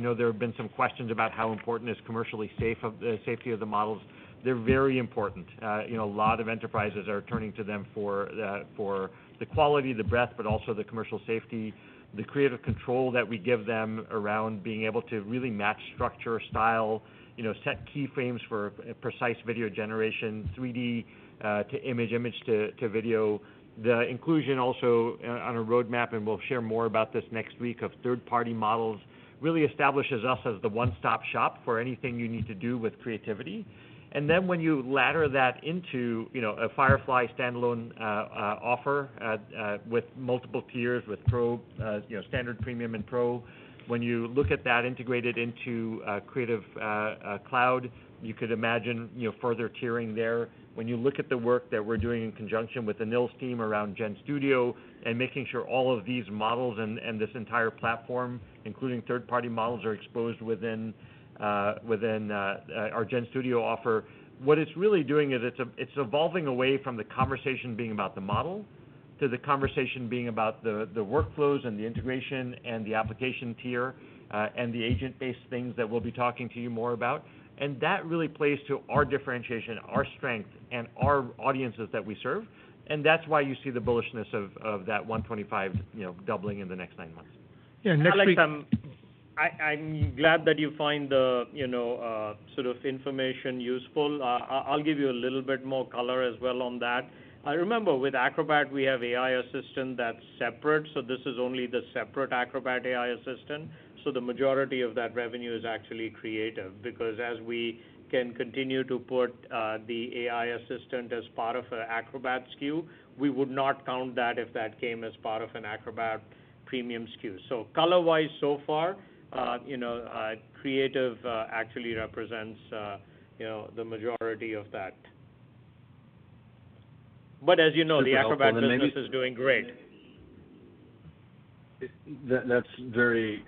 know there have been some questions about how important is commercial safety of the models. They're very important. A lot of enterprises are turning to them for the quality, the breadth, but also the commercial safety, the creative control that we give them around being able to really match structure, style, set keyframes for precise video generation, 3D to image, image to video. The inclusion also on a roadmap, and we'll share more about this next week, of third-party models really establishes us as the one-stop shop for anything you need to do with creativity. When you ladder that into a Firefly standalone offer with multiple tiers with Pro, Standard, Premium, and Pro, when you look at that integrated into Creative Cloud, you could imagine further tiering there. When you look at the work that we're doing in conjunction with Anil's team around GenStudio and making sure all of these models and this entire platform, including third-party models, are exposed within our GenStudio offer, what it's really doing is it's evolving away from the conversation being about the model to the conversation being about the workflows and the integration and the application tier and the agent-based things that we'll be talking to you more about. That really plays to our differentiation, our strength, and our audiences that we serve. That's why you see the bullishness of that $125 million doubling in the next nine months. Yeah. Next week. I'm glad that you find the sort of information useful. I'll give you a little bit more color as well on that. I remember with Acrobat, we have AI Assistant that's separate. This is only the separate Acrobat AI Assistant. The majority of that revenue is actually creative because as we continue to put the AI Assistant as part of an Acrobat SKU, we would not count that if that came as part of an Acrobat Premium SKU. Color-wise, so far, creative actually represents the majority of that. As you know, the Acrobat business is doing great. That's very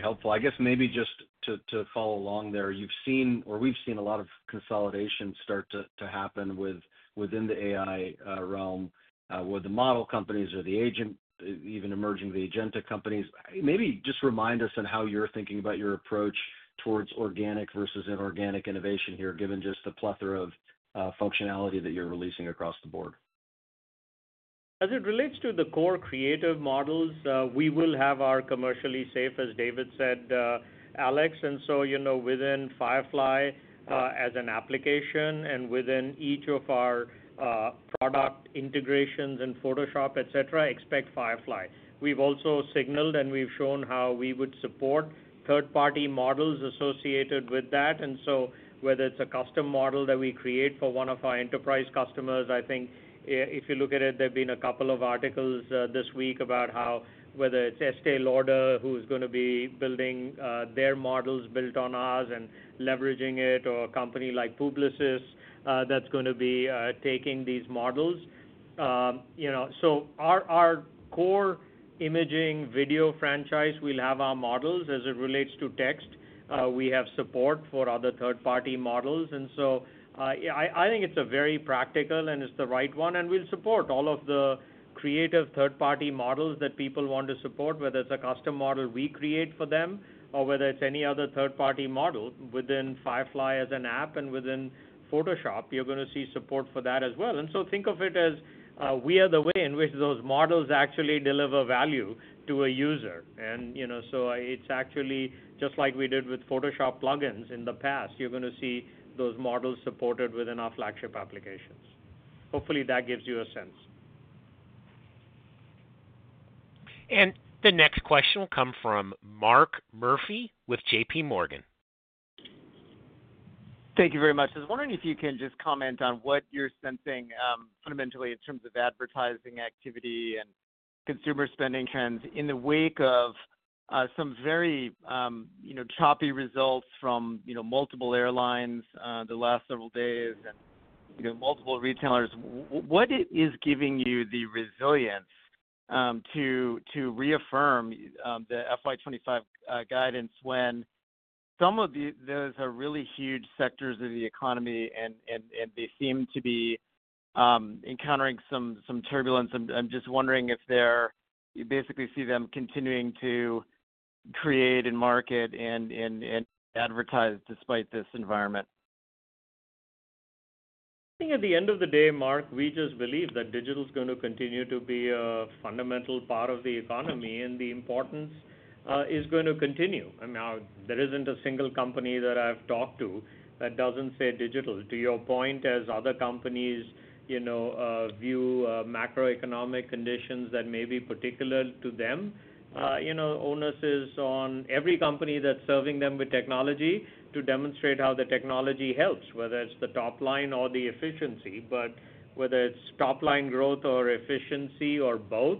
helpful. I guess maybe just to follow along there, you've seen or we've seen a lot of consolidation start to happen within the AI realm with the model companies or the agent, even emerging the agent companies. Maybe just remind us on how you're thinking about your approach towards organic versus inorganic innovation here, given just the plethora of functionality that you're releasing across the board. As it relates to the core creative models, we will have our commercially safe, as David said, Alex. Within Firefly as an application and within each of our product integrations and Photoshop, etc., expect Firefly. We have also signaled and we have shown how we would support third-party models associated with that. Whether it is a custom model that we create for one of our enterprise customers, I think if you look at it, there have been a couple of articles this week about whether it is Estée Lauder who is going to be building their models built on ours and leveraging it, or a company like Publicis that is going to be taking these models. Our core imaging video franchise will have our models as it relates to text. We have support for other third-party models. I think it is very practical and it is the right one. We will support all of the creative third-party models that people want to support, whether it is a custom model we create for them or whether it is any other third-party model within Firefly as an app and within Photoshop, you are going to see support for that as well. Think of it as we are the way in which those models actually deliver value to a user. It is actually just like we did with Photoshop plugins in the past. You are going to see those models supported within our flagship applications. Hopefully, that gives you a sense. The next question will come from Mark Murphy with JPMorgan. Thank you very much. I was wondering if you can just comment on what you're sensing fundamentally in terms of advertising activity and consumer spending trends in the wake of some very choppy results from multiple airlines the last several days and multiple retailers. What is giving you the resilience to reaffirm the FY25 guidance when some of those are really huge sectors of the economy and they seem to be encountering some turbulence? I'm just wondering if you basically see them continuing to create and market and advertise despite this environment. I think at the end of the day, Mark, we just believe that digital is going to continue to be a fundamental part of the economy and the importance is going to continue. I mean, there isn't a single company that I've talked to that doesn't say digital. To your point, as other companies view macroeconomic conditions that may be particular to them, onus is on every company that's serving them with technology to demonstrate how the technology helps, whether it's the top line or the efficiency. Whether it's top line growth or efficiency or both,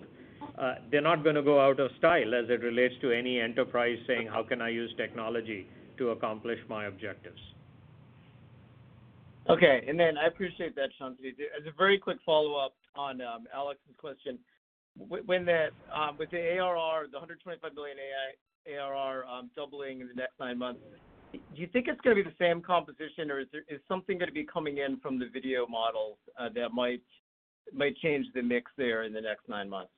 they're not going to go out of style as it relates to any enterprise saying, "How can I use technology to accomplish my objectives?" Okay. I appreciate that, Shan. As a very quick follow-up on Alex's question, with the ARR, the $125 million ARR doubling in the next nine months, do you think it's going to be the same composition, or is something going to be coming in from the video models that might change the mix there in the next nine months?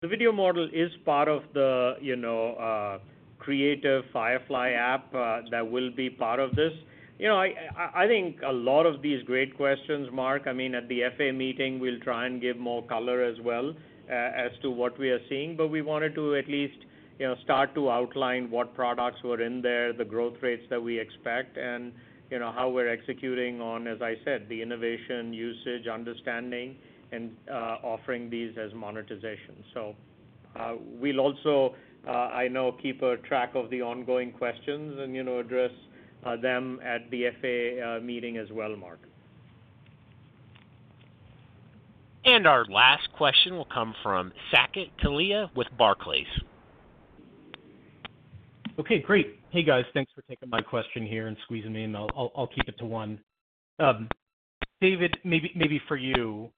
The video model is part of the creative Firefly app that will be part of this. I think a lot of these great questions, Mark. I mean, at the FA meeting, we'll try and give more color as well as to what we are seeing. We wanted to at least start to outline what products were in there, the growth rates that we expect, and how we're executing on, as I said, the innovation, usage, understanding, and offering these as monetization. I know we will also keep a track of the ongoing questions and address them at the FA meeting as well, Mark. Our last question will come from Saket Kalia with Barclays. Okay. Great. Hey, guys. Thanks for taking my question here and squeezing me in. I'll keep it to one. David, maybe for you,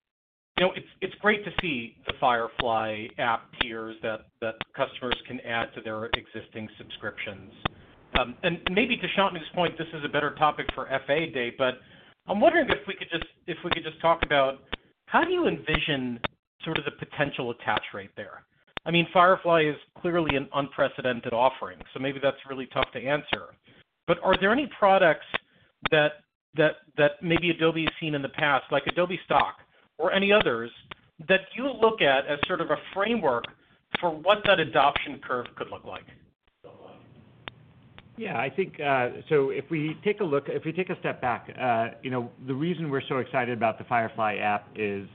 it's great to see the Firefly app tiers that customers can add to their existing subscriptions. Maybe to Shan's point, this is a better topic for FA day, but I'm wondering if we could just talk about how do you envision sort of the potential attach rate there? I mean, Firefly is clearly an unprecedented offering, so maybe that's really tough to answer. Are there any products that maybe Adobe has seen in the past, like Adobe Stock or any others, that you look at as sort of a framework for what that adoption curve could look like? Yeah. If we take a look, if we take a step back, the reason we're so excited about the Firefly app is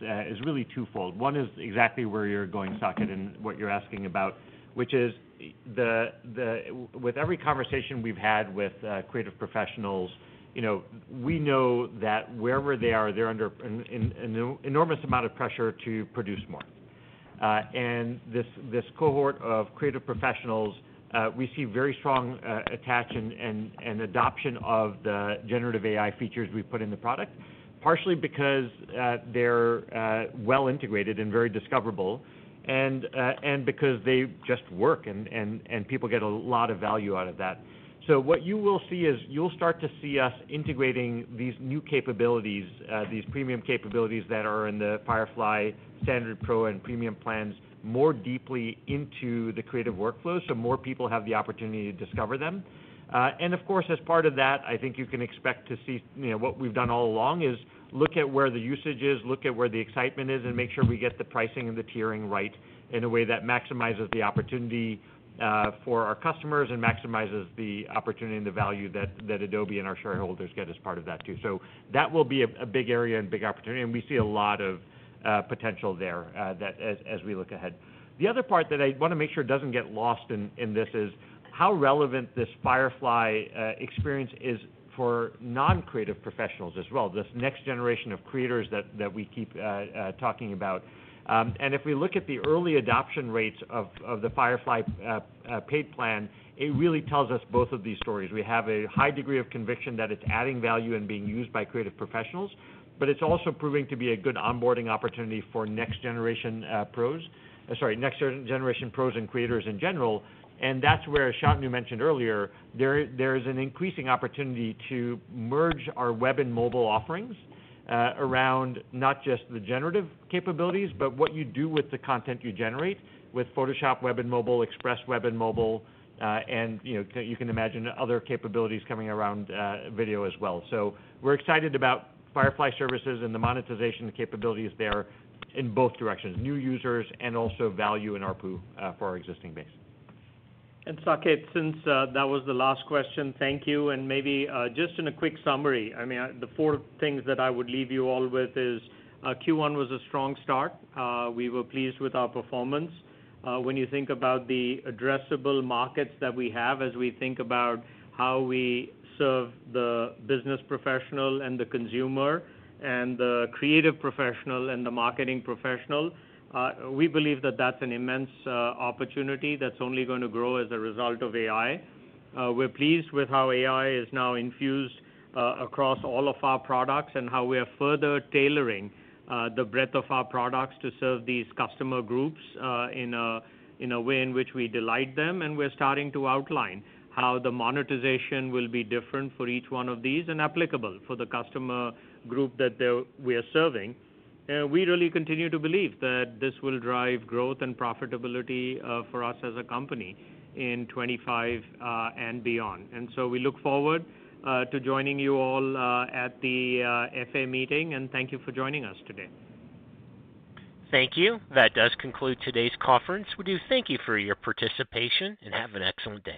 really twofold. One is exactly where you're going, Saket, and what you're asking about, which is with every conversation we've had with creative professionals, we know that wherever they are, they're under an enormous amount of pressure to produce more. This cohort of creative professionals, we see very strong attach and adoption of the generative AI features we put in the product, partially because they're well integrated and very discoverable, and because they just work and people get a lot of value out of that. What you will see is you'll start to see us integrating these new capabilities, these premium capabilities that are in the Firefly Standard, Pro, and Premium plans more deeply into the creative workflow so more people have the opportunity to discover them. Of course, as part of that, I think you can expect to see what we've done all along is look at where the usage is, look at where the excitement is, and make sure we get the pricing and the tiering right in a way that maximizes the opportunity for our customers and maximizes the opportunity and the value that Adobe and our shareholders get as part of that too. That will be a big area and big opportunity. We see a lot of potential there as we look ahead. The other part that I want to make sure does not get lost in this is how relevant this Firefly experience is for non-creative professionals as well, this next generation of creators that we keep talking about. If we look at the early adoption rates of the Firefly paid plan, it really tells us both of these stories. We have a high degree of conviction that it is adding value and being used by creative professionals, but it is also proving to be a good onboarding opportunity for next-generation pros and creators in general. That is where Shantanu mentioned earlier, there is an increasing opportunity to merge our web and mobile offerings around not just the generative capabilities, but what you do with the content you generate with Photoshop web and mobile, Express web and mobile, and you can imagine other capabilities coming around video as well. We're excited about Firefly Services and the monetization capabilities there in both directions, new users and also value in our pool for our existing base. Saket, since that was the last question, thank you. And maybe just in a quick summary, I mean, the four things that I would leave you all with is Q1 was a strong start. We were pleased with our performance. When you think about the addressable markets that we have, as we think about how we serve the business professional and the consumer and the creative professional and the marketing professional, we believe that that's an immense opportunity that's only going to grow as a result of AI. We're pleased with how AI is now infused across all of our products and how we are further tailoring the breadth of our products to serve these customer groups in a way in which we delight them. We are starting to outline how the monetization will be different for each one of these and applicable for the customer group that we are serving. We really continue to believe that this will drive growth and profitability for us as a company in 2025 and beyond. We look forward to joining you all at the FA meeting, and thank you for joining us today. Thank you. That does conclude today's conference. We do thank you for your participation and have an excellent day.